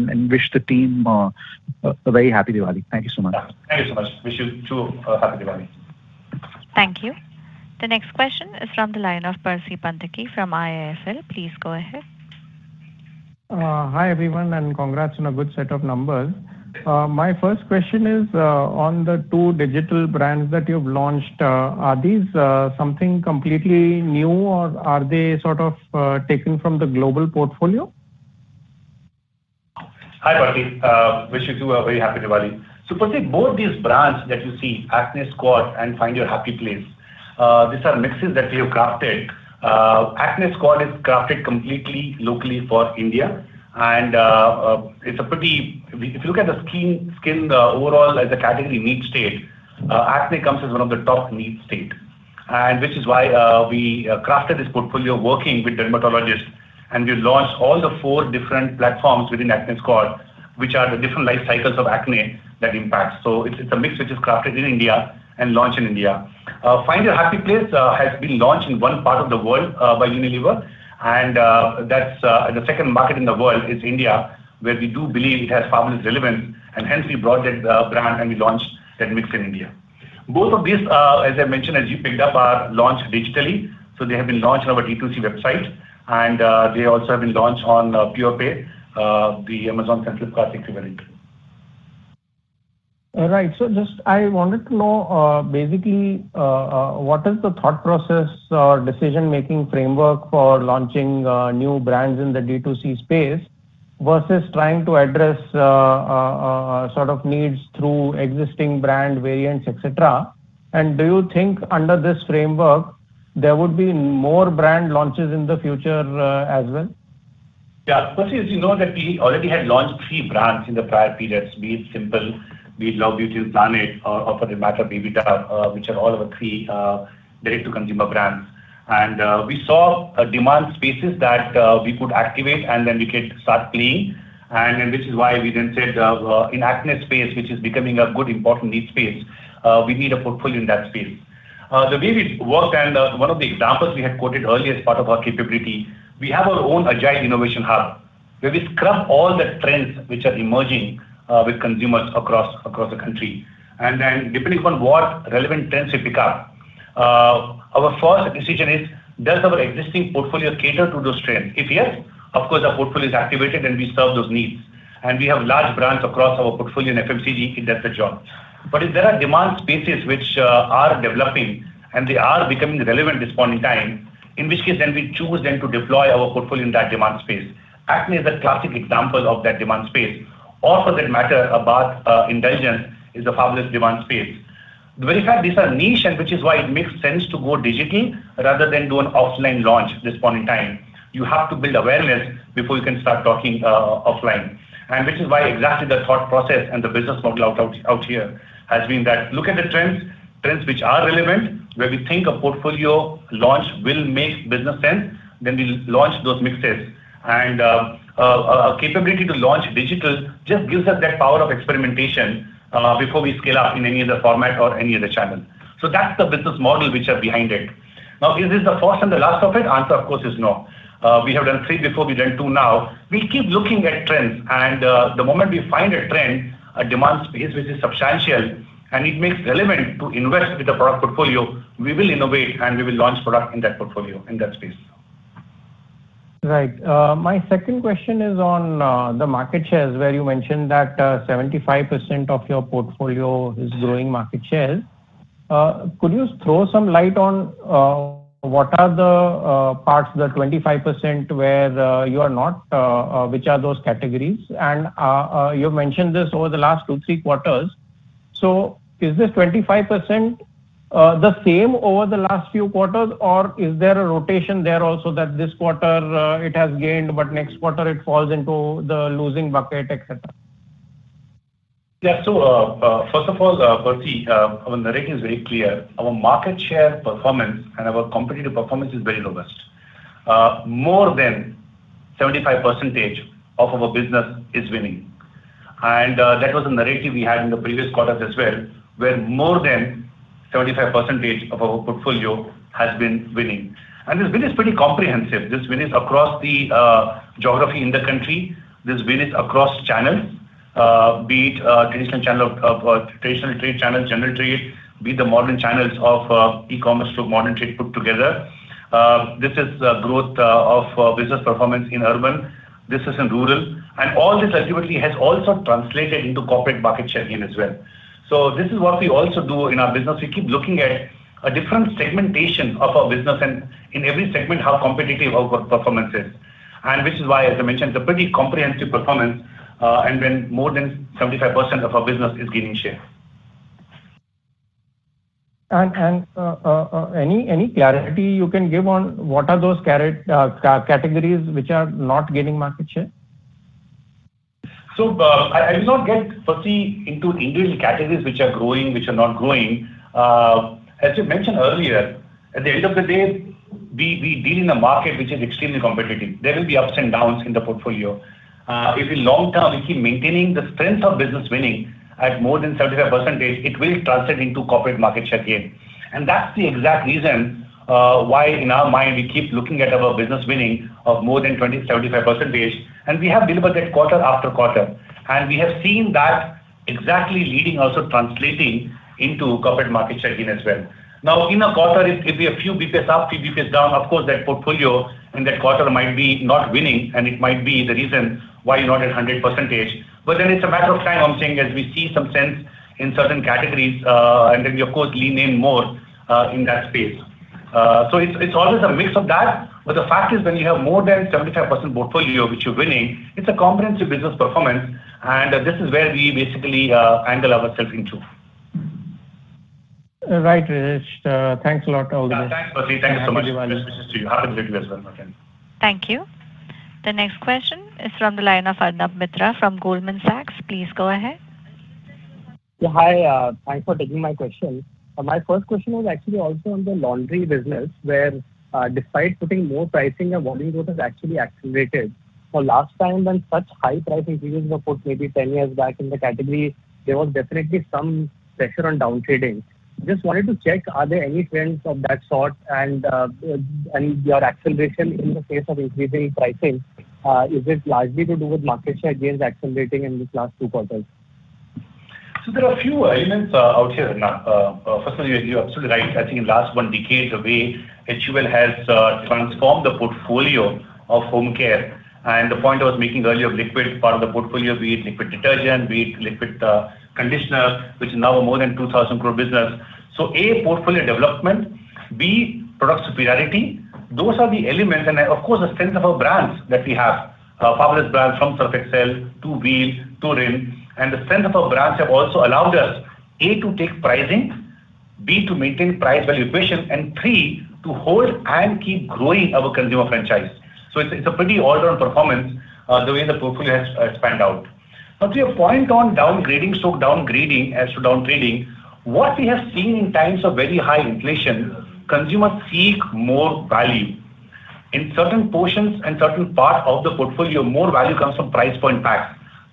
and wish the team a very happy Diwali. Thank you so much. Yeah. Thank you so much. Wish you too a happy Diwali. Thank you. The next question is from the line of Percy Panthaki from IIFL. Please go ahead. Hi, everyone, and congrats on a good set of numbers. My first question is on the two digital brands that you've launched, are these something completely new, or are they sort of taken from the global portfolio? Hi, Percy. Wish you too a very happy Diwali. Percy, both these brands that you see, Acne Squad and Find Your Happy Place, these are mixes that we have crafted. Acne Squad is crafted completely locally for India. If you look at the skin overall as a category need state, acne comes as one of the top need state. Which is why we crafted this portfolio working with dermatologists, and we launched all the four different platforms within Acne Squad, which are the different life cycles of acne that impacts. It's a mix which is crafted in India and launched in India. Find Your Happy Place has been launched in one part of the world by Unilever. That's the second market in the world is India, where we do believe it has fabulous relevance, and hence we brought that brand and we launched that mix in India. Both of these, as I mentioned, as you picked up, are launched digitally, so they have been launched on our D2C website, and they also have been launched on Purplle, the [Amazon Central Classic equivalent]. All right. Just I wanted to know, basically, what is the thought process or decision-making framework for launching, new brands in the D2C space versus trying to address, sort of needs through existing brand variants, et cetera. Do you think under this framework there would be more brand launches in the future, as well? Yeah. Firstly, as you know that we already had launched three brands in the prior periods, be it Simple, be it Love Beauty and Planet, or for that matter, Baby Dove, which are all our three direct-to-consumer brands. We saw demand spaces that we could activate, and then we could start playing. Which is why we then said in acne space, which is becoming a good important need space, we need a portfolio in that space. The way we work, and one of the examples we had quoted earlier as part of our capability, we have our own agile innovation hub, where we scrub all the trends which are emerging with consumers across the country. Then depending upon what relevant trends we pick up, our first decision is, does our existing portfolio cater to those trends? If yes, of course, our portfolio is activated and we serve those needs. We have large brands across our portfolio in FMCG, it does the job. If there are demand spaces which are developing and they are becoming relevant this point in time, in which case then we choose then to deploy our portfolio in that demand space. Acne is a classic example of that demand space. For that matter, a bath indulgence is a fabulous demand space. The very fact these are niche and which is why it makes sense to go digital rather than do an offline launch this point in time. You have to build awareness before you can start talking offline. Which is why exactly the thought process and the business model out here has been that look at the trends which are relevant, where we think a portfolio launch will make business sense, then we'll launch those mixes. Our capability to launch digital just gives us that power of experimentation before we scale up in any other format or any other channel. That's the business model which are behind it. Now, is this the first and the last of it? Answer, of course, is no. We have done three before, we've done two now. We'll keep looking at trends and the moment we find a trend, a demand space which is substantial and it makes relevant to invest with a product portfolio, we will innovate and we will launch product in that portfolio, in that space. Right. My second question is on the market shares, where you mentioned that 75% of your portfolio is growing market share. Could you throw some light on what are the parts, the 25% where you are not, which are those categories? You've mentioned this over the last two, three quarters. Is this 25% the same over the last few quarters, or is there a rotation there also that this quarter it has gained, but next quarter it falls into the losing bucket, et cetera? First of all, firstly, our narrative is very clear. Our market share performance and our competitive performance is very robust. More than 75% of our business is winning. That was the narrative we had in the previous quarters as well, where more than 75% of our portfolio has been winning. This win is pretty comprehensive. This win is across the geography in the country. This win is across channels, be it traditional trade channel, general trade, be it the modern channels of e-commerce to modern trade put together. This is the growth of business performance in urban. This is in rural. All this ultimately has also translated into corporate market share gain as well. This is what we also do in our business. We keep looking at a different segmentation of our business and in every segment, how competitive our performance is. Which is why, as I mentioned, it's a pretty comprehensive performance, and when more than 75% of our business is gaining share. Any clarity you can give on what are those categories which are not gaining market share? I will not get firstly into individual categories which are growing, which are not growing. As you mentioned earlier, at the end of the day, we deal in a market which is extremely competitive. There will be ups and downs in the portfolio. If in long term we keep maintaining the strength of business winning at more than 75%, it will translate into corporate market share gain. That's the exact reason why in our mind we keep looking at our business winning of more than 75%, and we have delivered that quarter after quarter. We have seen that exactly leading also translating into corporate market share gain as well. Now, in a quarter, it'll be a few basis points up, a few basis points down. Of course, that portfolio in that quarter might be not winning, and it might be the reason why you're not at 100%. But then it's a matter of time, I'm saying, as we see some sense in certain categories, and then we of course lean in more in that space. It's always a mix of that, but the fact is when you have more than 75% portfolio which you're winning, it's a comprehensive business performance, and this is where we basically angle ourself into. Right, Ritesh. Thanks a lot. All the best. Thanks, firstly. Thank you so much. Best wishes to you. Have a great day as well. Thank you. The next question is from the line of Arnab Mitra from Goldman Sachs. Please go ahead. Yeah. Hi, thanks for taking my question. My first question was actually also on the laundry business, where, despite putting more pricing and volume growth has actually accelerated. The last time when such high price increases were put maybe 10 years back in the category, there was definitely some pressure on down trading. Just wanted to check, are there any trends of that sort and your acceleration in the face of increasing pricing, is it largely to do with market share gains accelerating in these last two quarters? There are a few elements out here, Arnab. Firstly, you're absolutely right. I think in the last decade or so, HUL has transformed the portfolio of home care. The point I was making earlier of liquid part of the portfolio, be it liquid detergent, be it liquid conditioner, which is now a more than 2,000 crore business. A, portfolio development, B, product superiority. Those are the elements. Of course, the strength of our brands that we have. Our fabulous brands from Surf Excel to Wheel to Rin. The strength of our brands have also allowed us, A, to take pricing, B, to maintain price value equation, and three, to hold and keep growing our consumer franchise. It's a pretty all around performance the way the portfolio has panned out. Now, to your point on downgrading. Downgrading as to down trading, what we have seen in times of very high inflation, consumers seek more value. In certain portions and certain parts of the portfolio, more value comes from price point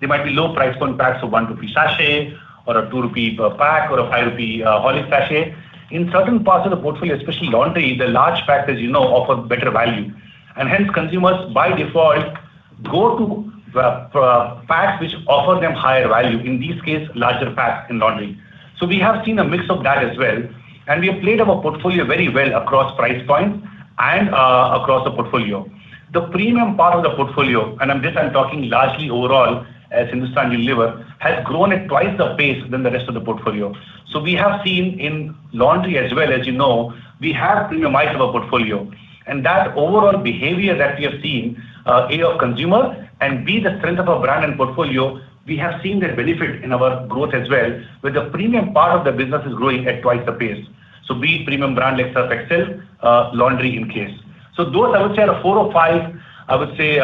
packs. They might be low price point packs, so 1 rupee sachet or a 2 rupee per pack or a 5 rupee Horlicks sachet. In certain parts of the portfolio, especially laundry, the large pack, as you know, offer better value and hence consumers by default go to the packs which offer them higher value, in this case, larger packs in laundry. We have seen a mix of that as well, and we have played our portfolio very well across price points and across the portfolio. The premium part of the portfolio, and this I'm talking largely overall as Hindustan Unilever, has grown at twice the pace than the rest of the portfolio. We have seen in laundry as well as you know, we have premiumized our portfolio and that overall behavior that we have seen, A, of consumer and B, the strength of our brand and portfolio, we have seen the benefit in our growth as well, where the premium part of the business is growing at twice the pace. Be it premium brand like Surf Excel, laundry in case. Those I would say are four or five, I would say,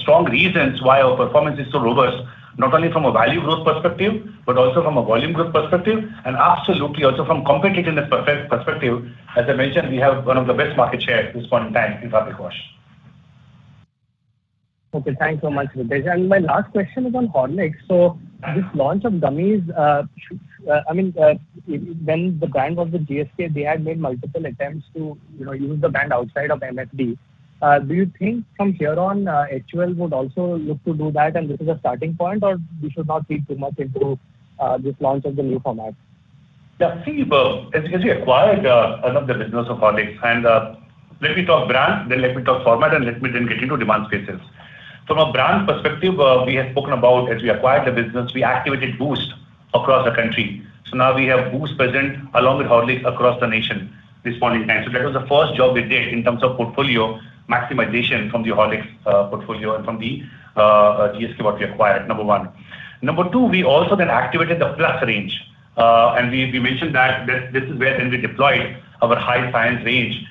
strong reasons why our performance is so robust, not only from a value growth perspective, but also from a volume growth perspective and absolutely also from competitiveness perspective. As I mentioned, we have one of the best market share at this point in time in fabric wash. Okay, thanks so much, Ritesh. My last question is on Horlicks. This launch of gummies, I mean, when the brand was with GSK, they had made multiple attempts to, you know, use the brand outside of HFD. Do you think from here on, HUL would also look to do that and this is a starting point? Or we should not read too much into this launch of the new format? See, as we acquired another business of Horlicks and let me talk brand, then let me talk format and let me then get into demand spaces. From a brand perspective, we have spoken about as we acquired the business, we activated Boost across the country. Now we have Boost present along with Horlicks across the nation at this point in time. That was the first job we did in terms of portfolio maximization from the Horlicks portfolio and from the GSK what we acquired, number one. Number two, we also activated the Plus range. We mentioned that this is where we deployed our high science range,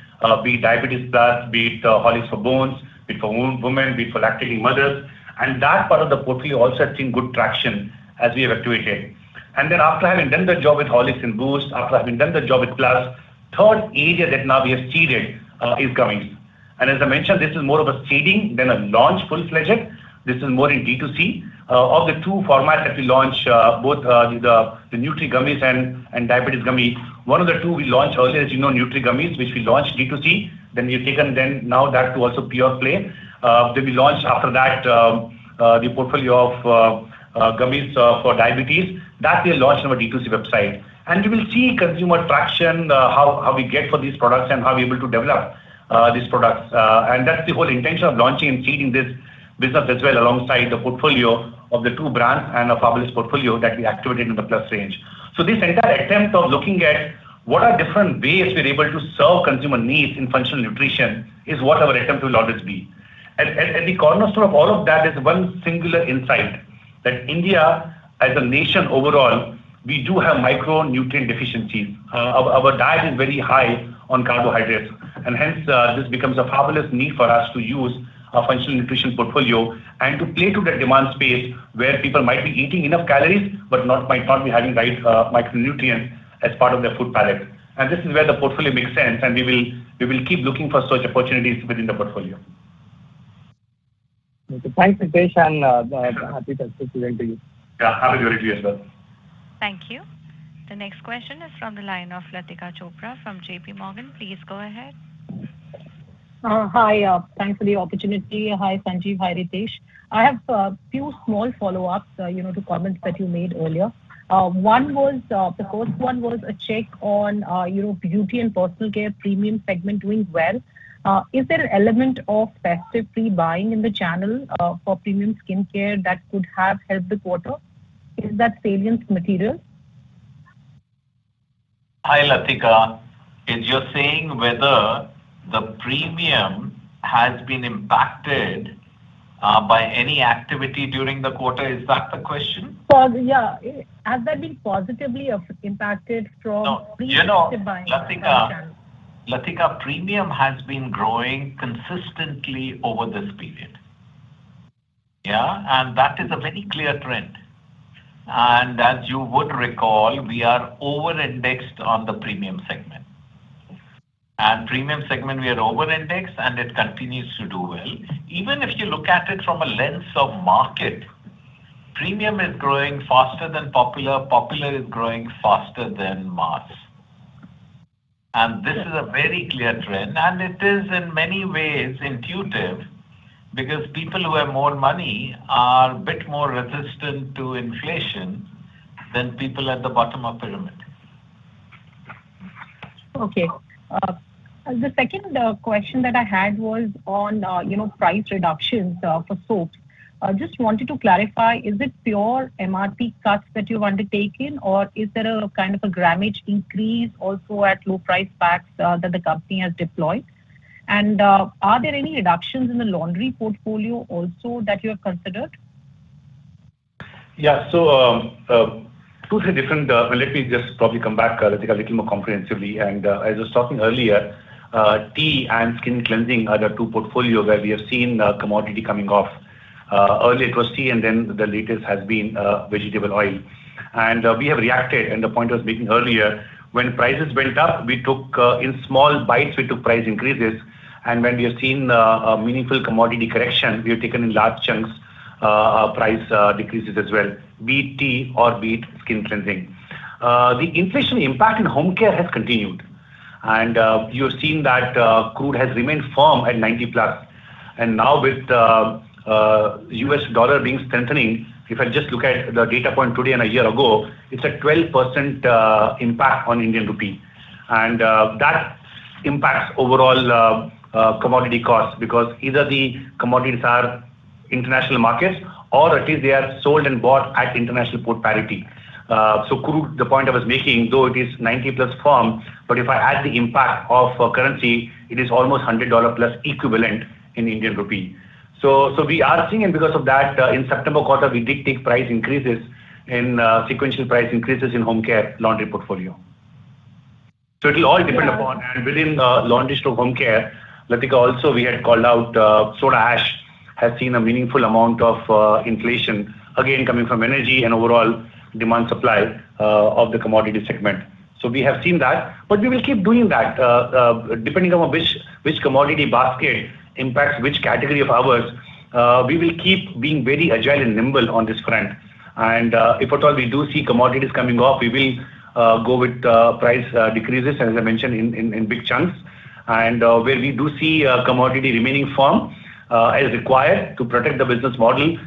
be it Diabetes Plus, be it Horlicks for bones, be it for women, be it for lactating mothers. That part of the portfolio also has seen good traction as we have activated. After having done the job with Horlicks and Boost, after having done the job with Plus, third area that now we have seeded is gummies. As I mentioned, this is more of a seeding than a launch full-fledged. This is more in D2C. Of the two formats that we launched, both the Horlicks Nutri Gummies and Horlicks Diabetes Gummies, one of the two we launched earlier, as you know, Horlicks Nutri Gummies, which we launched D2C. We've taken now that to also pure play. We launched after that the portfolio of gummies for diabetes, that we have launched on our D2C website. We will see consumer traction, how we get for these products and how we're able to develop these products. That's the whole intention of launching and seeding this business as well alongside the portfolio of the two brands and a fabulous portfolio that we activated in the Plus range. This entire attempt of looking at what are different ways we're able to serve consumer needs in functional nutrition is what our attempt will always be. The cornerstone of all of that is one singular insight, that India as a nation overall, we do have micronutrient deficiencies. Our diet is very high on carbohydrates. Hence, this becomes a fabulous need for us to use our functional nutrition portfolio and to play to that demand space where people might be eating enough calories, but not, might not be having right micronutrients as part of their food plate. This is where the portfolio makes sense. We will keep looking for such opportunities within the portfolio. Okay. Thanks, Ritesh, and happy Dussehra to you. Yeah. Happy Dussehra to you as well. Thank you. The next question is from the line of Latika Chopra from JP Morgan. Please go ahead. Hi. Thanks for the opportunity. Hi, Sanjiv. Hi, Ritesh. I have a few small follow-ups, you know, to comments that you made earlier. One was, the first one was a check on, you know, beauty and personal care premium segment doing well. Is there an element of festive pre-buying in the channel, for premium skincare that could have helped the quarter? Is that salient material? Hi, Latika. Are you saying whether the premium has been impacted by any activity during the quarter? Is that the question? Yeah. Has that been positively impacted from pre-buying in that channel? You know, Latika, premium has been growing consistently over this period. Yeah, that is a very clear trend. As you would recall, we are over-indexed on the premium segment. Premium segment we are over-indexed, and it continues to do well. Even if you look at it from a lens of market, premium is growing faster than popular is growing faster than mass. This is a very clear trend, and it is in many ways intuitive because people who have more money are a bit more resistant to inflation than people at the bottom of pyramid. Okay. The second question that I had was on, you know, price reductions for soap. I just wanted to clarify, is it pure MRP cuts that you're undertaking, or is there a kind of a grammage increase also at low price packs that the company has deployed? And are there any reductions in the laundry portfolio also that you have considered? Well, let me just probably come back, Latika, a little more comprehensively. As I was talking earlier, tea and skin cleansing are the two portfolio where we have seen commodity coming off. Earlier it was tea and then the latest has been vegetable oil. We have reacted, and the point I was making earlier, when prices went up, we took in small bites price increases. When we have seen a meaningful commodity correction, we have taken in large chunks price decreases as well. Be it tea or be it skin cleansing. The inflation impact in home care has continued. You have seen that crude has remained firm at 90+. Now with US dollar being strengthening, if I just look at the data point today and a year ago, it's a 12% impact on Indian rupee. That impacts overall commodity costs because either the commodities are in international markets or at least they are sold and bought at import parity. Crude, the point I was making, though it is 90+ firm, but if I add the impact of currency, it is almost $100+ equivalent in Indian rupee. We are seeing it because of that, in September quarter, we did take sequential price increases in home care laundry portfolio. It'll all depend upon... Within laundry to home care, Latika, also we had called out, soda ash has seen a meaningful amount of inflation, again, coming from energy and overall demand supply of the commodity segment. So we have seen that. Depending on which commodity basket impacts which category of ours, we will keep being very agile and nimble on this front. If at all we do see commodities coming off, we will go with price decreases, as I mentioned, in big chunks. Where we do see commodity remaining firm, as required to protect the business model,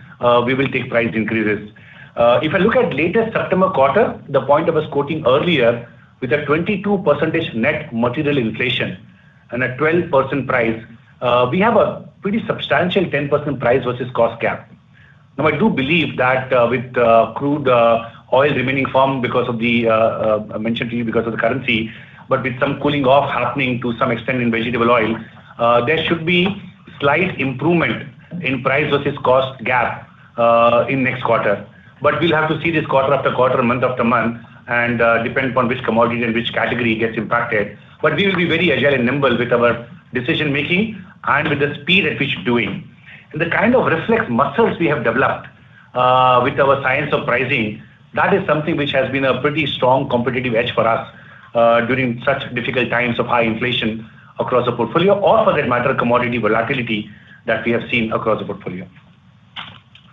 we will take price increases. If I look at latest September quarter, the point I was quoting earlier with a 22% net material inflation and a 12% price, we have a pretty substantial 10% price versus cost gap. Now, I do believe that with crude oil remaining firm because of the currency, but with some cooling off happening to some extent in vegetable oil, there should be slight improvement in price versus cost gap in next quarter. We'll have to see this quarter after quarter, month after month, and depend upon which commodity and which category gets impacted. We will be very agile and nimble with our decision-making and with the speed at which doing. The kind of reflex muscles we have developed with our science of pricing, that is something which has been a pretty strong competitive edge for us during such difficult times of high inflation across the portfolio or, for that matter, commodity volatility that we have seen across the portfolio.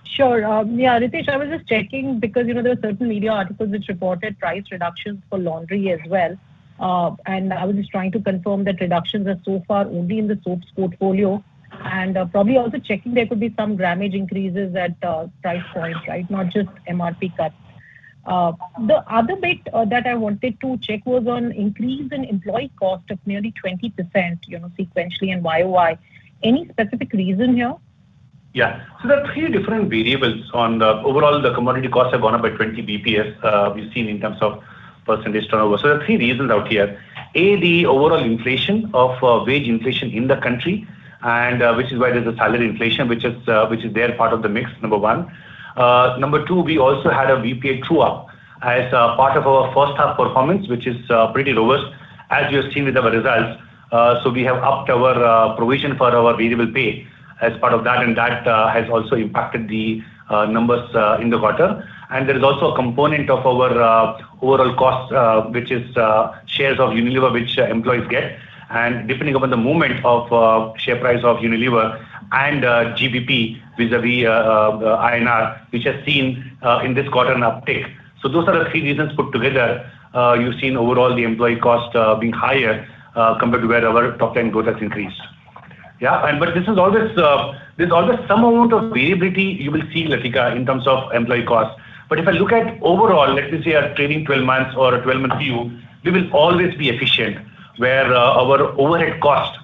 Sure. Yeah, Ritesh, I was just checking because, you know, there are certain media articles which reported price reductions for laundry as well. I was just trying to confirm that reductions are so far only in the soaps portfolio. Probably also checking there could be some grammage increases at price points, right? Not just MRP cuts. The other bit that I wanted to check was on increase in employee cost of nearly 20%, you know, sequentially and YOY. Any specific reason here? Yeah. There are three different variables on the overall commodity costs have gone up by 20 basis points, we've seen in terms of percentage turnover. There are three reasons out here. A, the overall inflation of wage inflation in the country and which is why there's a salary inflation, which is there part of the mix, number one. Number two, we also had a VPA true-up as part of our first half performance, which is pretty robust, as you have seen with our results. So we have upped our provision for our variable pay as part of that, and that has also impacted the numbers in the quarter. There is also a component of our overall cost which is shares of Unilever which employees get. Depending upon the movement of share price of Unilever and GBP vis-a-vis INR, which has seen in this quarter an uptick. Those are the three reasons put together, you've seen overall the employee cost being higher compared to where our top line and growth has increased. Yeah. This is always. There's always some amount of variability you will see, Latika, in terms of employee costs. If I look at overall, let me say a trailing 12 months or a 12-month view, we will always be efficient, where our overhead cost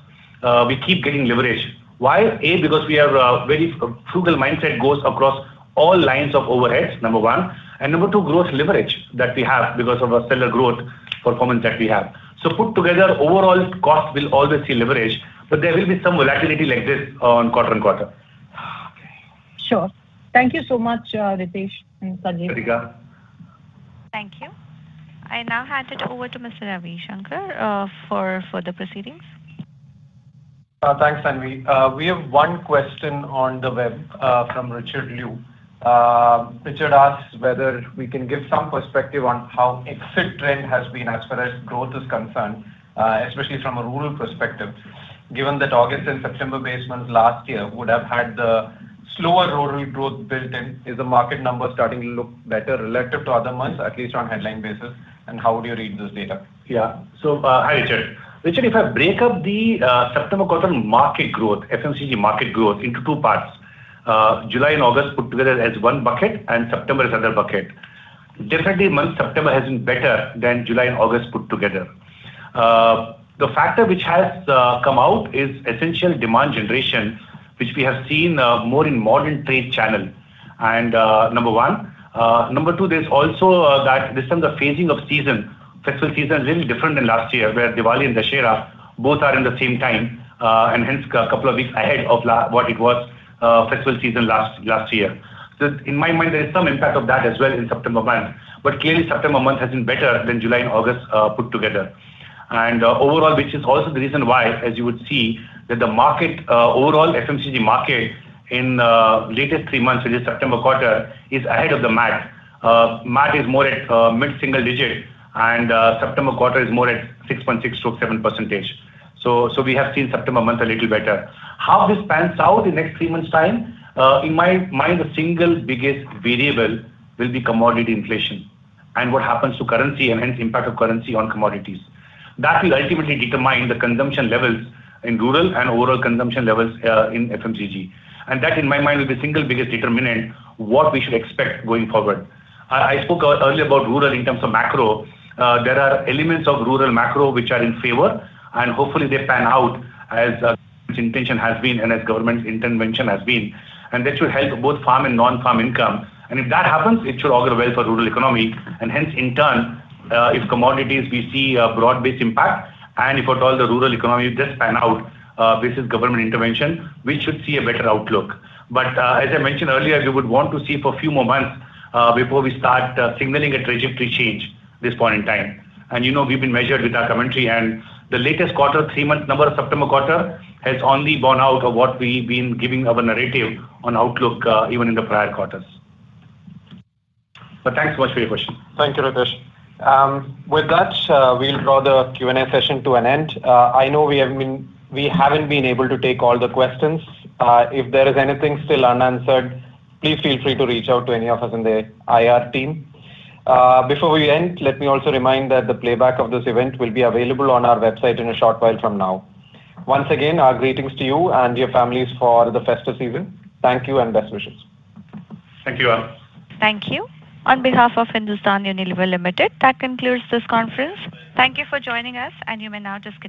we keep getting leverage. Why? A, because we have a very frugal mindset goes across all lines of overheads, number one. Number two, growth leverage that we have because of our stellar growth performance that we have. Put together, overall costs will always see leverage, but there will be some volatility like this on quarter-on-quarter. Okay. Sure. Thank you so much, Ritesh and Sanjiv. Latika Thank you. I now hand it over to Mr. A. Ravishankar for the proceedings. Thanks, Tanvi. We have one question on the web from Richard Liu. Richard asks whether we can give some perspective on how exit trend has been as far as growth is concerned, especially from a rural perspective, given that August and September base months last year would have had the slower rural growth built in. Is the market number starting to look better relative to other months, at least on headline basis? And how would you read this data? Hi, Richard. Richard, if I break up the September quarter market growth, FMCG market growth into two parts, July and August put together as one bucket and September as other bucket. Definitely month September has been better than July and August put together. The factor which has come out is essential demand generation, which we have seen more in modern trade channel, and number one. Number two, there's also that this time the phasing of season. Festival season a little different than last year, where Diwali and Dussehra both are in the same time, and hence a couple of weeks ahead of what it was, festival season last year. In my mind, there is some impact of that as well in September month. Clearly September month has been better than July and August put together. Overall, which is also the reason why, as you would see, that the market overall FMCG market in latest three months in the September quarter is ahead of the mark. Mark is more at mid-single digit, and September quarter is more at 6.6%-7%. So we have seen September month a little better. How this pans out in next three months' time, in my mind, the single biggest variable will be commodity inflation and what happens to currency and hence impact of currency on commodities. That will ultimately determine the consumption levels in rural and overall consumption levels in FMCG. That, in my mind, will be single biggest determinant what we should expect going forward. I spoke earlier about rural in terms of macro. There are elements of rural macro which are in favor, and hopefully they pan out as intention has been and as government intervention has been, and that should help both farm and non-farm income. If that happens, it should augur well for rural economy, and hence in turn, if in commodities we see a broad-based impact and if at all the rural economy does pan out with this government intervention, we should see a better outlook. As I mentioned earlier, we would want to see for a few more months before we start signaling a trajectory change at this point in time. You know, we've been measured with our commentary and the latest quarter, three-month number, September quarter, has only borne out of what we've been giving our narrative on outlook, even in the prior quarters. Thanks so much for your question. Thank you, Ritesh. With that, we'll draw the Q&A session to an end. I know we haven't been able to take all the questions. If there is anything still unanswered, please feel free to reach out to any of us in the IR team. Before we end, let me also remind that the playback of this event will be available on our website in a short while from now. Once again, our greetings to you and your families for the festive season. Thank you and best wishes. Thank you all. Thank you. On behalf of Hindustan Unilever Limited, that concludes this conference. Thank you for joining us, and you may now disconnect your-